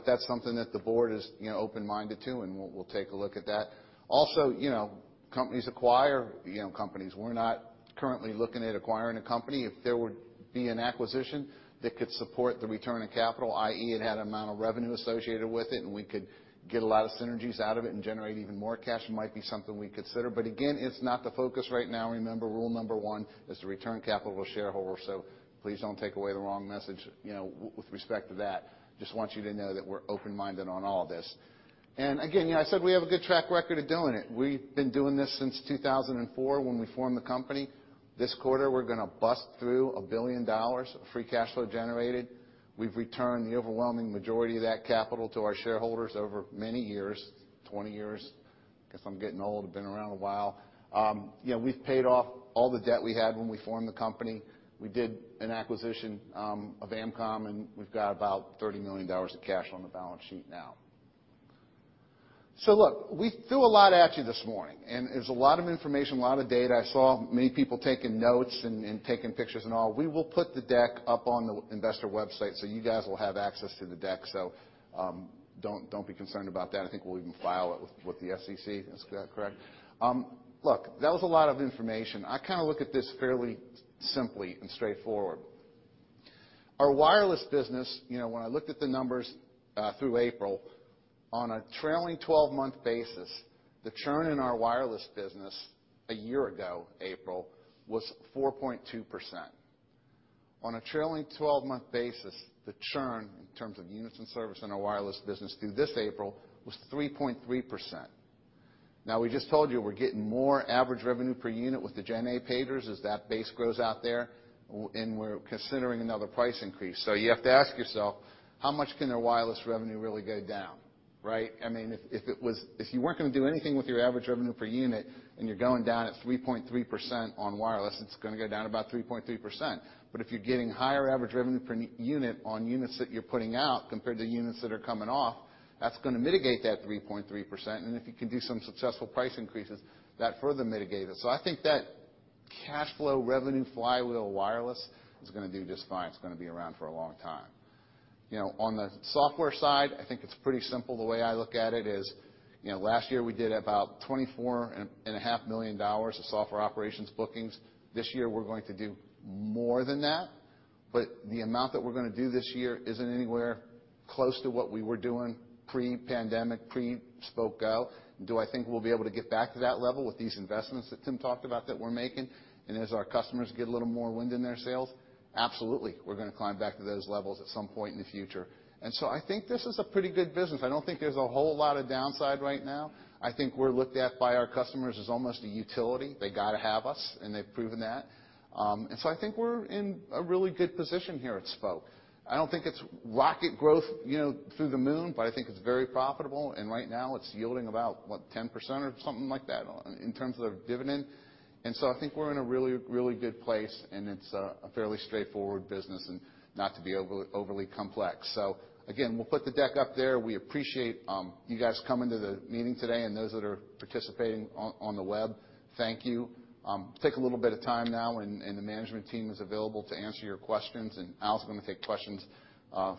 That's something that the board is, you know, open-minded to, and we'll take a look at that. Companies acquire, you know, companies. We're not currently looking at acquiring a company. If there would be an acquisition that could support the return of capital, i.e., it had amount of revenue associated with it and we could get a lot of synergies out of it and generate even more cash, it might be something we'd consider. Again, it's not the focus right now. Remember, rule number one is to return capital to shareholders, so please don't take away the wrong message, you know, with respect to that. Just want you to know that we're open-minded on all this. Again, you know, I said we have a good track record of doing it. We've been doing this since 2004 when we formed the company. This quarter, we're gonna bust through $1 billion of free cash flow generated. We've returned the overwhelming majority of that capital to our shareholders over many years, 20 years. Guess I'm getting old, been around a while. You know, we've paid off all the debt we had when we formed the company. We did an acquisition, of Amcom, and we've got about $30 million of cash on the balance sheet now. Look, we threw a lot at you this morning. There's a lot of information, a lot of data. I saw many people taking notes and taking pictures and all. We will put the deck up on the investor website. You guys will have access to the deck. Don't be concerned about that. I think we'll even file it with the SEC. Is that correct? Look, that was a lot of information. I kinda look at this fairly simply and straightforward. Our wireless business, you know, when I looked at the numbers, through April, on a trailing twelve-month basis, the churn in our wireless business a year ago, April, was 4.2%. On a trailing twelve-month basis, the churn in terms of units and service in our wireless business through this April was 3.3%. We just told you we're getting more average revenue per unit with the GenA pagers as that base grows out there, and we're considering another price increase. You have to ask yourself, how much can their wireless revenue really go down? Right? I mean, if you weren't gonna do anything with your average revenue per unit, and you're going down at 3.3% on wireless, it's gonna go down about 3.3%. If you're getting higher average revenue per unit on units that you're putting out compared to units that are coming off, that's gonna mitigate that 3.3%. If you can do some successful price increases, that further mitigate it. I think that cash flow revenue flywheel wireless is gonna do just fine. It's gonna be around for a long time. You know, on the software side, I think it's pretty simple. The way I look at it is, you know, last year we did about $24.5 million of software operations bookings. This year, we're going to do more than that, but the amount that we're gonna do this year isn't anywhere close to what we were doing pre-pandemic, pre-Spok Go. Do I think we'll be able to get back to that level with these investments that Tim talked about that we're making, and as our customers get a little more wind in their sails? Absolutely. We're gonna climb back to those levels at some point in the future. I think this is a pretty good business. I don't think there's a whole lot of downside right now. I think we're looked at by our customers as almost a utility. They gotta have us, and they've proven that. I think we're in a really good position here at Spok. I don't think it's rocket growth, you know, through the moon, but I think it's very profitable. Right now it's yielding about, what, 10% or something like that in terms of dividend. I think we're in a really, really good place, and it's a fairly straightforward business and not to be overly complex. Again, we'll put the deck up there. We appreciate you guys coming to the meeting today and those that are participating on the web. Thank you. Take a little bit of time now and the management team is available to answer your questions, and Al's gonna take questions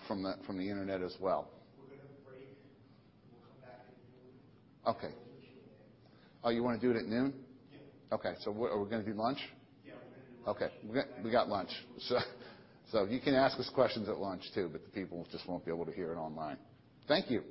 from the internet as well. We're gonna break. We'll come back at noon. Okay. Oh, you wanna do it at noon? Yeah. Okay. What Are we gonna do lunch? Yeah, we're gonna do lunch. Okay. We got lunch. You can ask us questions at lunch too, but the people just won't be able to hear it online. Thank you.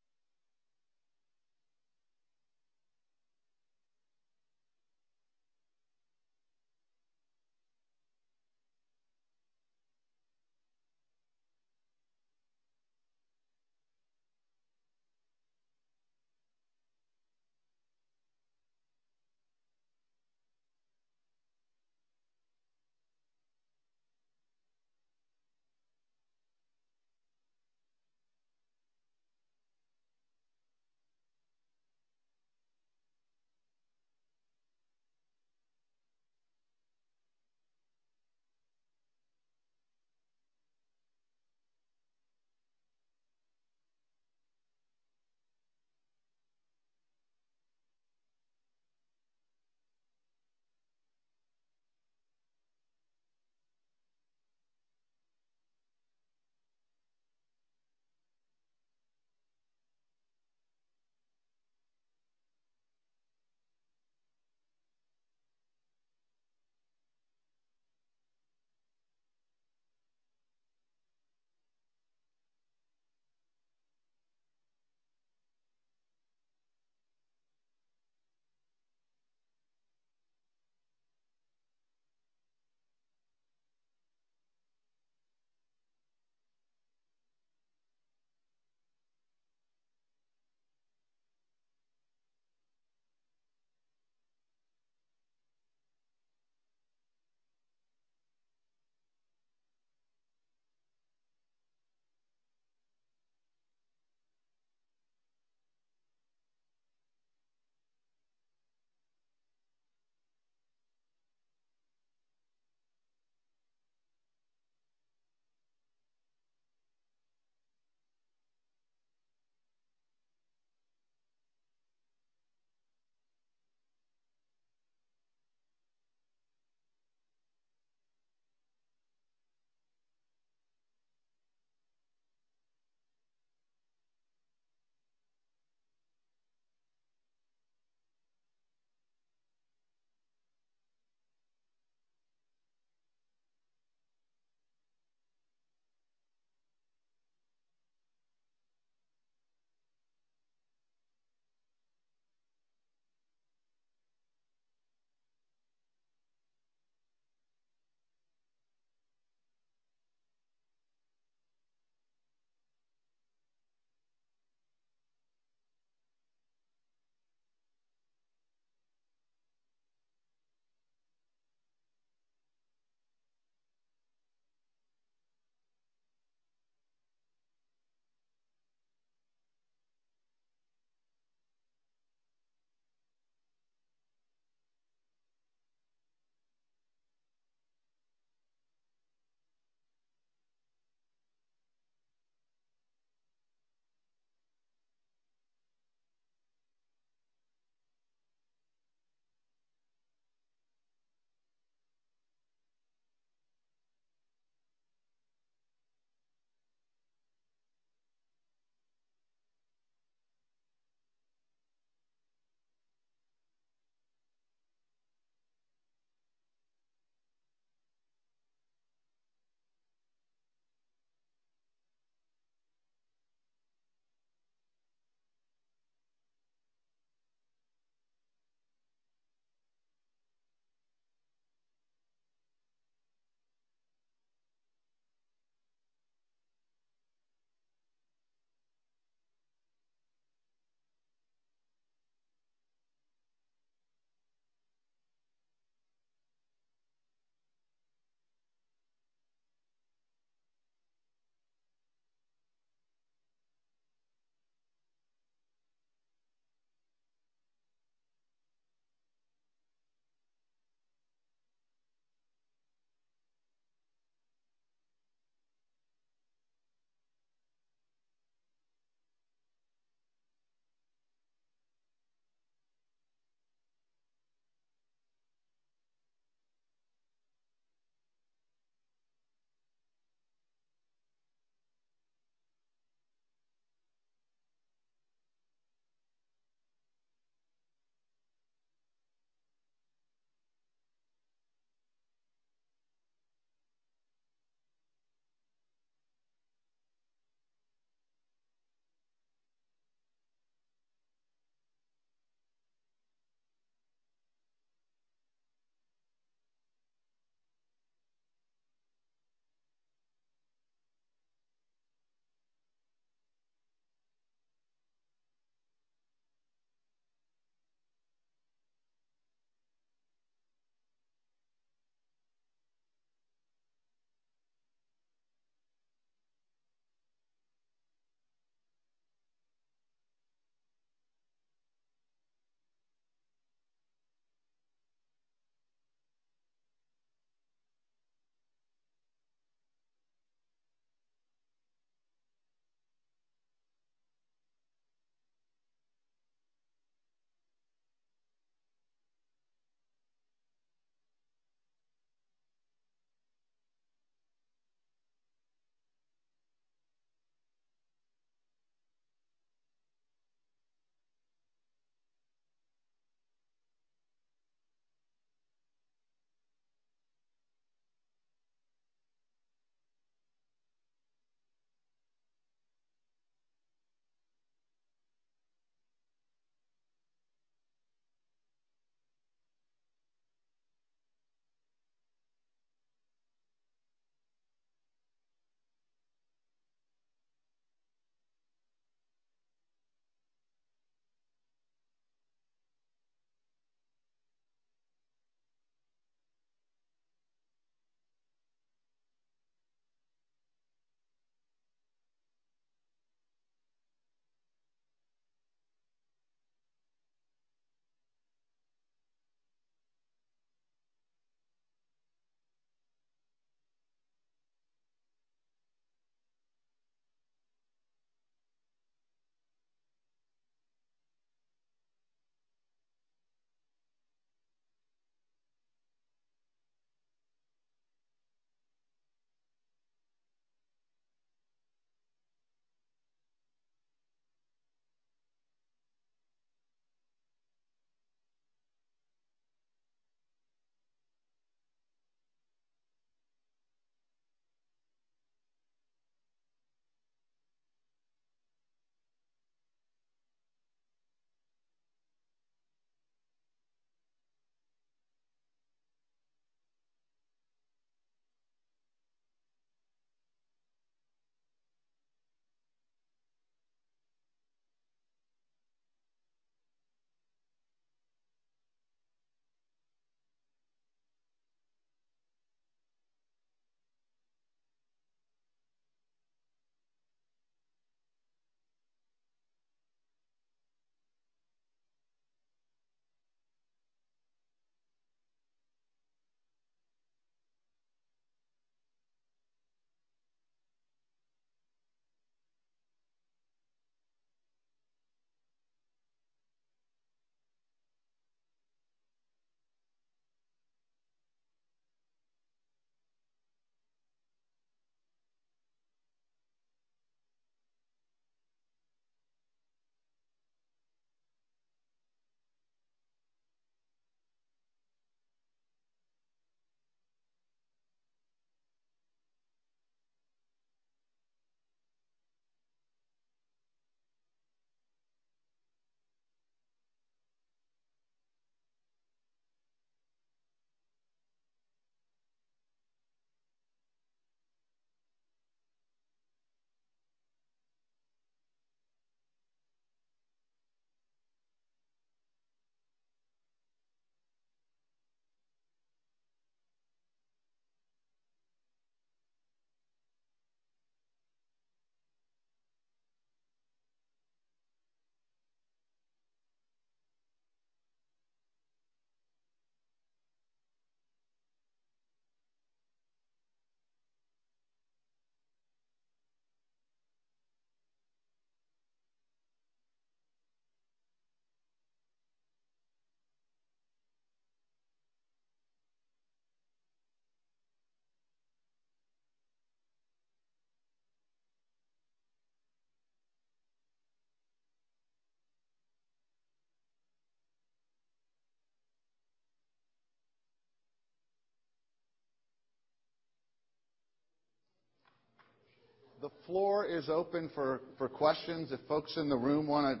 The floor is open for questions if folks in the room wanna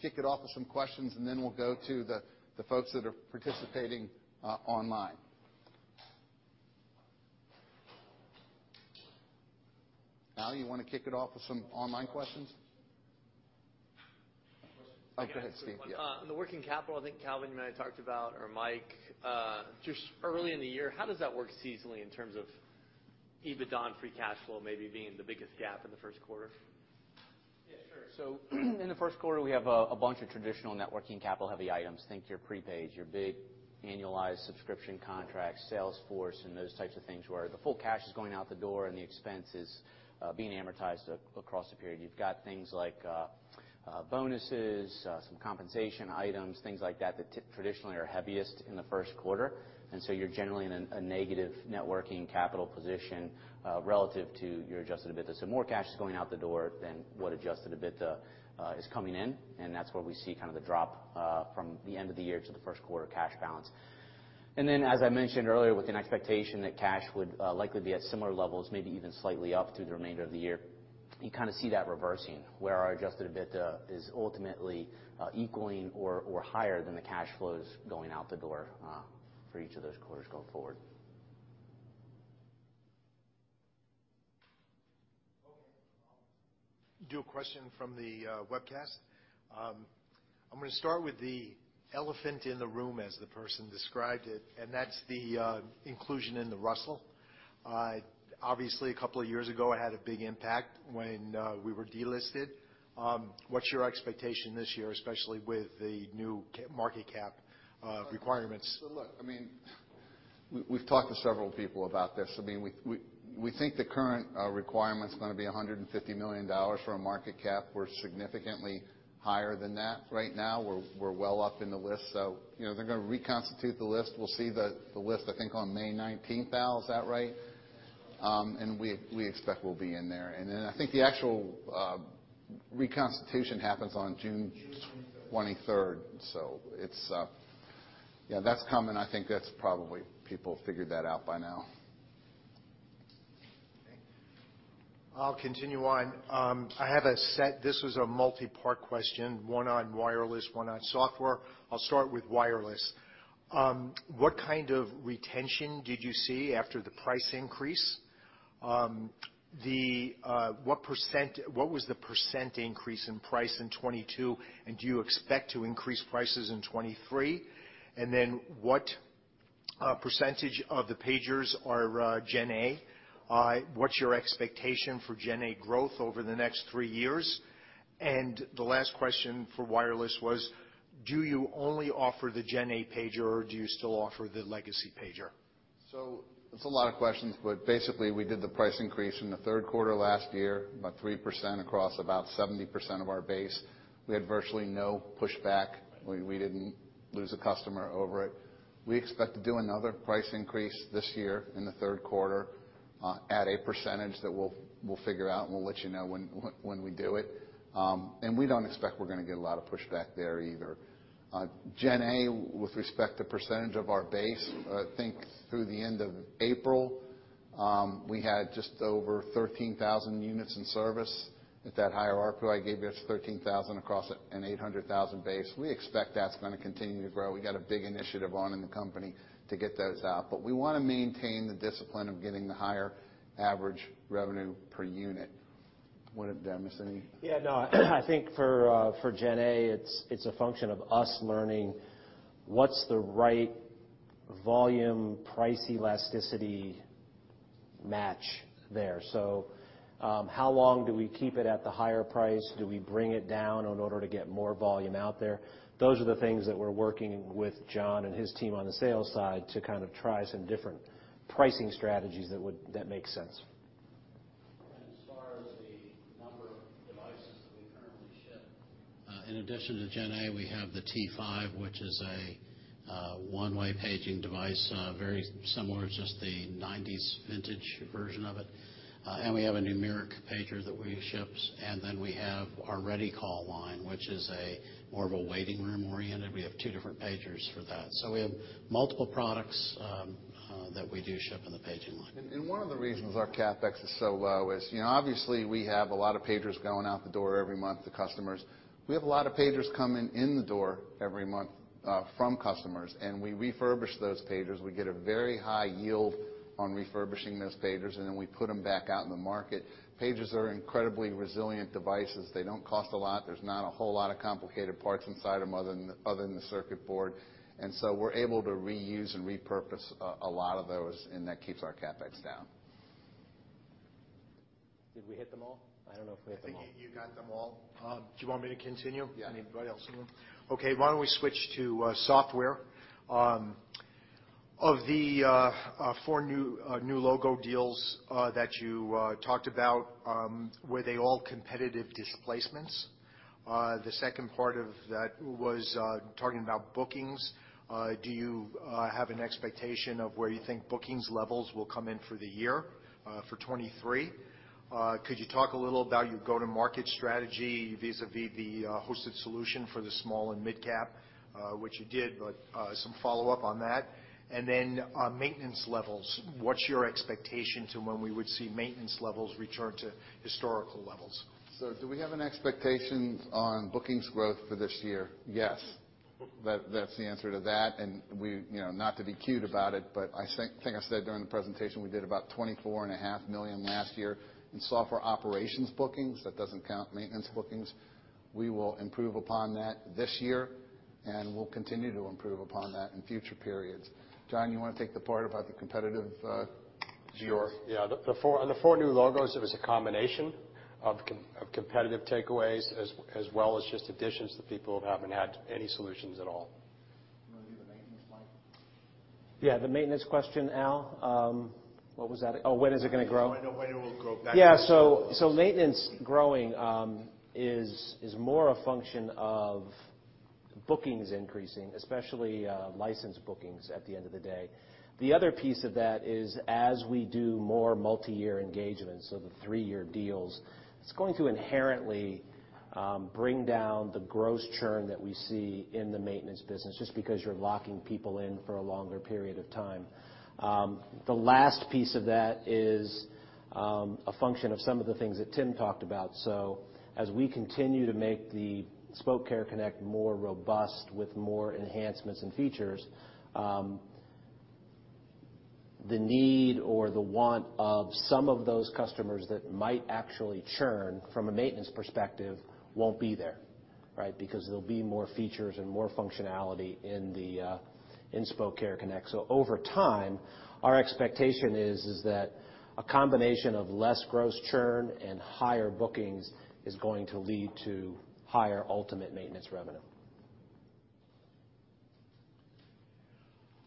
kick it off with some questions, and then we'll go to the folks that are participating online. Al, you wanna kick it off with some online questions? Questions. Oh, go ahead, Steve. Yeah. The working capital, I think, Calvin, you might have talked about or Mike, just early in the year. How does that work seasonally in terms of EBITDA and free cash flow maybe being the biggest gap in the first quarter? Yeah, sure. In the first quarter, we have a bunch of traditional net working capital-heavy items. Think your prepaid, your big annualized subscription contracts, Salesforce, and those types of things, where the full cash is going out the door and the expense is being amortized across the period. You've got things like bonuses, some compensation items, things like that traditionally are heaviest in the first quarter. You're generally in a negative net working capital position, relative to your Adjusted EBITDA. More cash is going out the door than what Adjusted EBITDA is coming in, and that's where we see kind of the drop from the end of the year to the first quarter cash balance. As I mentioned earlier, with an expectation that cash would likely be at similar levels, maybe even slightly up through the remainder of the year, you kind of see that reversing, where our Adjusted EBITDA is ultimately equaling or higher than the cash flows going out the door, for each of those quarters going forward. Okay. I'll do a question from the webcast. I'm gonna start with the elephant in the room as the person described it, that's the inclusion in the Russell. Obviously, a couple of years ago, it had a big impact when we were delisted. What's your expectation this year, especially with the new market cap requirements? Look, I mean, we've talked to several people about this. I mean, we think the current requirement's gonna be $150 million for a market cap. We're significantly higher than that right now. We're well up in the list. You know, they're gonna reconstitute the list. We'll see the list, I think, on May 19th. Al, is that right? We expect we'll be in there. I think the actual reconstitution happens on June. June 23rd. 23rd. Yeah, that's coming. I think that's probably people figured that out by now. Okay. I'll continue on. I have a set. This was a multi-part question, one on wireless, one on software. I'll start with wireless. What kind of retention did you see after the price increase? What was th increase in price in 2022, and do you expect to increase prices in 2023? What percentage of the pagers are GenA? What's your expectation for GenA growth over the next three years? The last question for wireless was, do you only offer the GenA pager, or do you still offer the legacy pager? It's a lot of questions, but basically, we did the price increase in the third quarter last year, about 3% across about 70% of our base. We had virtually no pushback. We didn't lose a customer over it. We expect to do another price increase this year in the third quarter, at a percentage that we'll figure out, and we'll let you know when we do it. We don't expect we're gonna get a lot of pushback there either. GenA, with respect to percentage of our base, I think through the end of April, we had just over 13,000 units in service at that higher RPU I gave you. That's 13,000 across an 800,000 base. We expect that's gonna continue to grow. We got a big initiative on in the company to get those out. We wanna maintain the discipline of getting the higher average revenue per unit. What, Demis? Yeah. No. I think for GenA, it's a function of us learning what's the right volume price elasticity match there. How long do we keep it at the higher price? Do we bring it down in order to get more volume out there? Those are the things that we're working with John and his team on the sales side to kind of try some different pricing strategies that make sense. As far as the number of devices that we currently ship, in addition to GenA, we have the T5, which is a one-way paging device, very similar. It's just the 90s vintage version of it. We have a numeric pager that we ship, and then we have our ReadyCall line, which is more of a waiting room oriented. We have two different pagers for that. We have multiple products that we do ship in the paging line. One of the reasons our CapEx is so low is, you know, obviously we have a lot of pagers going out the door every month to customers. We have a lot of pagers coming in the door every month from customers, and we refurbish those pagers. We get a very high yield on refurbishing those pagers, and then we put them back out in the market. Pagers are incredibly resilient devices. They don't cost a lot. There's not a whole lot of complicated parts inside them other than the circuit board. We're able to reuse and repurpose a lot of those, and that keeps our CapEx down. Did we hit them all? I don't know if we hit them all. I think you got them all. Do you want me to continue? Yeah. Anybody else? No. Okay. Why don't we switch to software? Of the four new new logo deals that you talked about, were they all competitive displacements? The second part of that was talking about bookings. Do you have an expectation of where you think bookings levels will come in for the year for 2023? Could you talk a little about your go-to-market strategy vis-à-vis the hosted solution for the small and midcap, which you did, but some follow-up on that? Then on maintenance levels, what's your expectation to when we would see maintenance levels return to historical levels? Do we have an expectation on bookings growth for this year? Yes. That's the answer to that. You know, not to be cute about it, but I think I said during the presentation, we did about $24.5 million last year in software operations bookings. That doesn't count maintenance bookings. We will improve upon that this year, and we'll continue to improve upon that in future periods. John, you wanna take the part about the competitive view? Yeah. On the four new logos, it was a combination of competitive takeaways as well as just additions to people who haven't had any solutions at all. You wanna do the maintenance, Mike? Yeah, the maintenance question, Al. What was that? Oh, when is it gonna grow? When it will grow back. Yeah. Maintenance growing is more a function of bookings increasing, especially licensed bookings at the end of the day. The other piece of that is as we do more multiyear engagements, so the 3-year deals, it's going to inherently bring down the gross churn that we see in the maintenance business just because you're locking people in for a longer period of time. The last piece of that is a function of some of the things that Tim talked about. As we continue to make the Spok Care Connect more robust with more enhancements and features, the need or the want of some of those customers that might actually churn from a maintenance perspective won't be there, right? There'll be more features and more functionality in the Spok Care Connect. Over time, our expectation is that a combination of less gross churn and higher bookings is going to lead to higher ultimate maintenance revenue.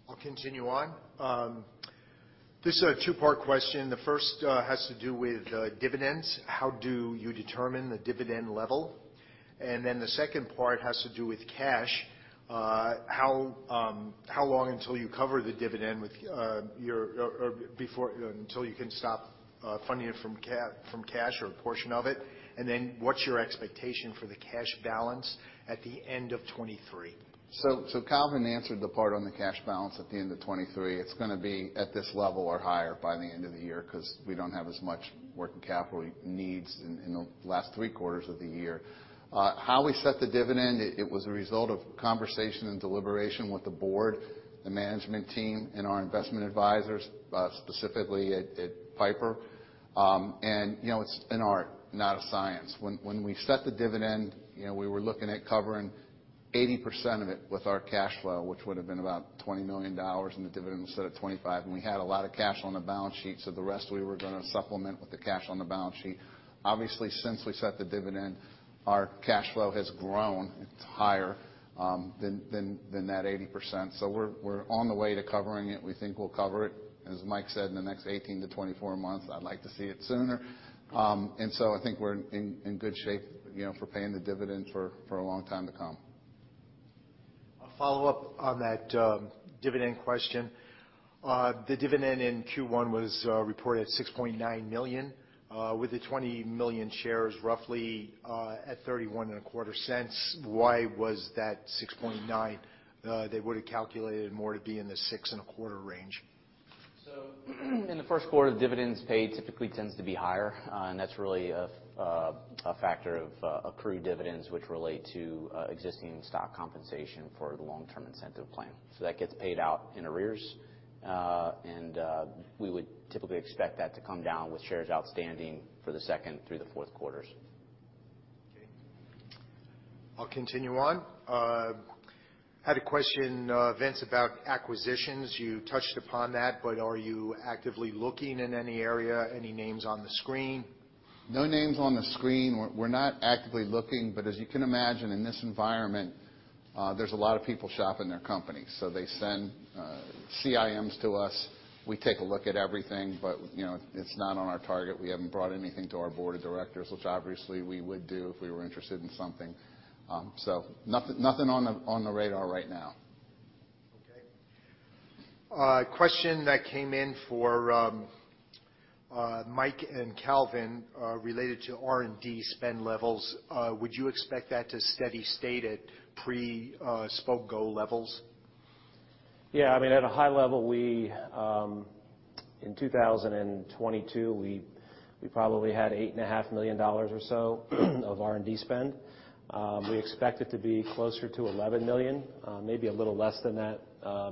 I'll continue on. This is a two-part question. The first has to do with dividends. How do you determine the dividend level? The second part has to do with cash. How long until you cover the dividend with your until you can stop funding it from cash or a portion of it? What's your expectation for the cash balance at the end of 2023? Calvin answered the part on the cash balance at the end of 2023. It's gonna be at this level or higher by the end of the year 'cause we don't have as much working capital needs in the last three quarters of the year. How we set the dividend, it was a result of conversation and deliberation with the board, the management team, and our investment advisors, specifically at Piper. You know, it's an art, not a science. When we set the dividend, you know, we were looking at covering 80% of it with our cash flow, which would have been about $20 million in the dividend instead of $25. We had a lot of cash on the balance sheet, so the rest we were gonna supplement with the cash on the balance sheet. Obviously, since we set the dividend, our cash flow has grown. It's higher than that 80%. We're on the way to covering it. We think we'll cover it, as Mike said, in the next 18-24 months. I'd like to see it sooner. I think we're in good shape, you know, for paying the dividend for a long time to come. A follow-up on that dividend question. The dividend in Q1 was reported at $6.9 million, with the 20 million shares roughly, at $0.3125. Why was that $6.9? They would have calculated more to be in the $6.25 million range. In the first quarter, dividends paid typically tends to be higher, and that's really a factor of accrued dividends which relate to existing stock compensation for the long-term incentive plan. That gets paid out in arrears. We would typically expect that to come down with shares outstanding for the second through the fourth quarters. Okay. I'll continue on. Had a question, Vince, about acquisitions. You touched upon that. Are you actively looking in any area? Any names on the screen? No names on the screen. We're not actively looking. As you can imagine, in this environment, there's a lot of people shopping their companies. They send CIMs to us. We take a look at everything, but, you know, it's not on our target. We haven't brought anything to our board of directors, which obviously we would do if we were interested in something. Nothing on the radar right now. Okay. A question that came in for Mike and Calvin related to R&D spend levels. Would you expect that to steady-state at pre Spok Go levels? Yeah. I mean, at a high level, we, in 2022, we probably had eight and a half million dollars or so of R&D spend. We expect it to be closer to $11 million, maybe a little less than that,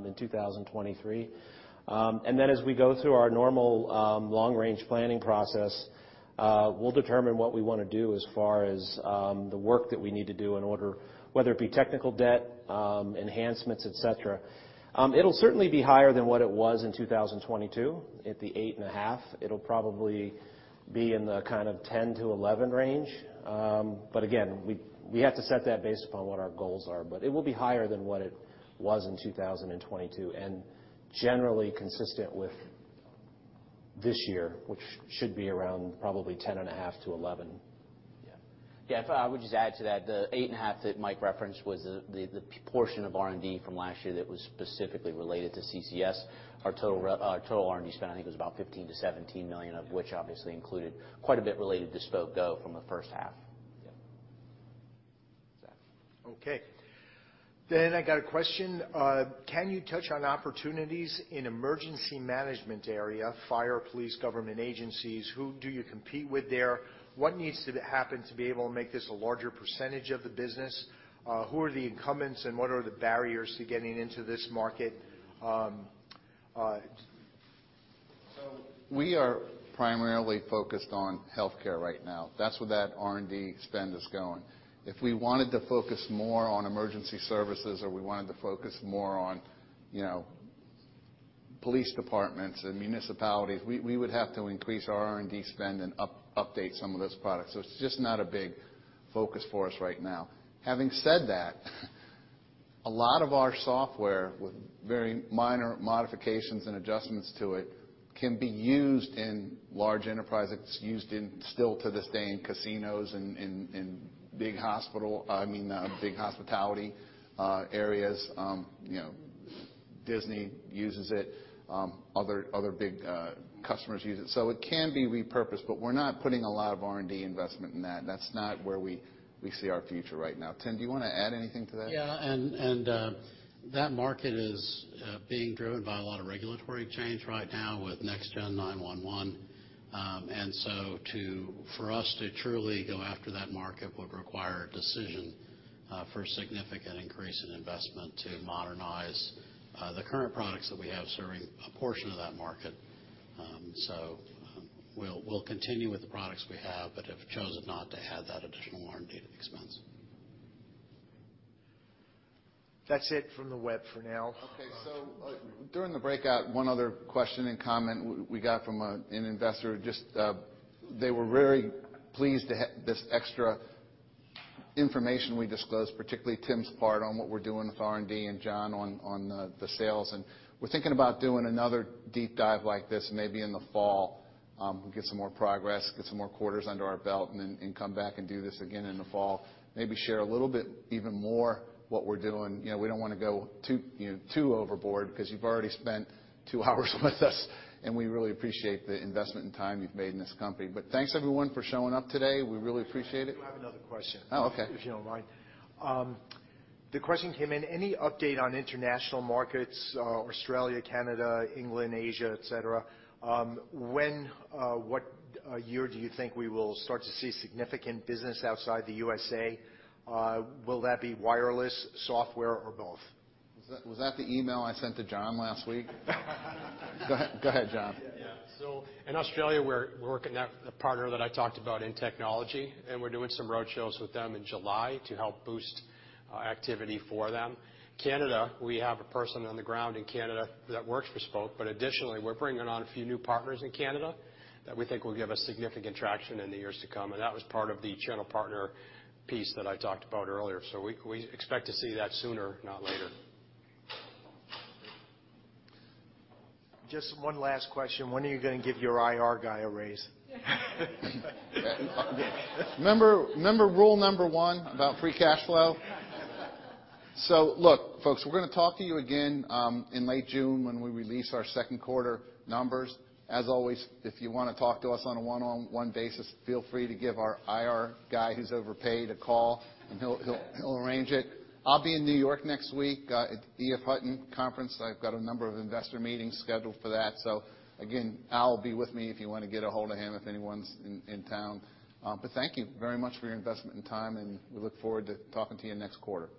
in 2023. As we go through our normal long-range planning process, we'll determine what we wanna do as far as the work that we need to do in order, whether it be technical debt, enhancements, etc. It'll certainly be higher than what it was in 2022, at the eight and a half. It'll probably be in the kind of $10 million-$11 million range. Again, we have to set that based upon what our goals are. It will be higher than what it was in 2022, and generally consistent with This year, which should be around probably 10.5-11. Yeah. If I would just add to that, the eight and a half that Mike referenced was the portion of R&D from last year that was specifically related to CCS. Our total R&D spend, I think was about $15 million-$17 million, of which obviously included quite a bit related to Spok Go from the first half. Yeah. Wax. Okay. I got a question. Can you touch on opportunities in emergency management area, fire, police, government agencies? Who do you compete with there? What needs to happen to be able to make this a larger percentage of the business? Who are the incumbents, and what are the barriers to getting into this market? We are primarily focused on healthcare right now. That's where that R&D spend is going. If we wanted to focus more on emergency services or we wanted to focus more on, you know, police departments and municipalities, we would have to increase our R&D spend and update some of those products. It's just not a big focus for us right now. Having said that, a lot of our software, with very minor modifications and adjustments to it, can be used in large enterprise. It's used in, still to this day, in casinos, in big hospitality areas. You know, Disney uses it. Other big customers use it. It can be repurposed, but we're not putting a lot of R&D investment in that. That's not where we see our future right now. Tim, do you wanna add anything to that? That market is being driven by a lot of regulatory change right now with NextGen 911. For us to truly go after that market would require a decision for a significant increase in investment to modernize the current products that we have serving a portion of that market. We'll continue with the products we have, but have chosen not to add that additional R&D to the expense. That's it from the web for now. Okay. During the breakout, one other question and comment we got from an investor, just, they were very pleased to this extra information we disclosed, particularly Tim's part on what we're doing with R&D and John on the sales. We're thinking about doing another deep dive like this maybe in the fall, get some more progress, get some more quarters under our belt, and then come back and do this again in the fall. Maybe share a little bit even more what we're doing. You know, we don't wanna go too, you know, too overboard because you've already spent two hours with us, and we really appreciate the investment and time you've made in this company. Thanks everyone for showing up today. We really appreciate it. I do have another question. Oh, okay. If you don't mind. The question came in, any update on international markets, Australia, Canada, England, Asia, etc.? When, what year do you think we will start to see significant business outside the U.S.A.? Will that be wireless, software, or both? Was that the email I sent to John last week? Go ahead. Go ahead, John. Yeah. In Australia, we're working with a partner that I talked about in technology, and we're doing some road shows with them in July to help boost activity for them. Canada, we have a person on the ground in Canada that works for Spok, but additionally, we're bringing on a few new partners in Canada that we think will give us significant traction in the years to come. That was part of the channel partner piece that I talked about earlier. We expect to see that sooner, not later. Just one last question. When are you gonna give your IR guy a raise? Remember, remember rule number 1 about free cash flow? Look, folks, we're gonna talk to you again in late June when we release our second quarter numbers. As always, if you wanna talk to us on a one-on-one basis, feel free to give our IR guy who's overpaid a call, and he'll arrange it. I'll be in New York next week at EF Hutton conference. I've got a number of investor meetings scheduled for that. Again, Al will be with me if you wanna get ahold of him, if anyone's in town. Thank you very much for your investment and time, and we look forward to talking to you next quarter. Thank you.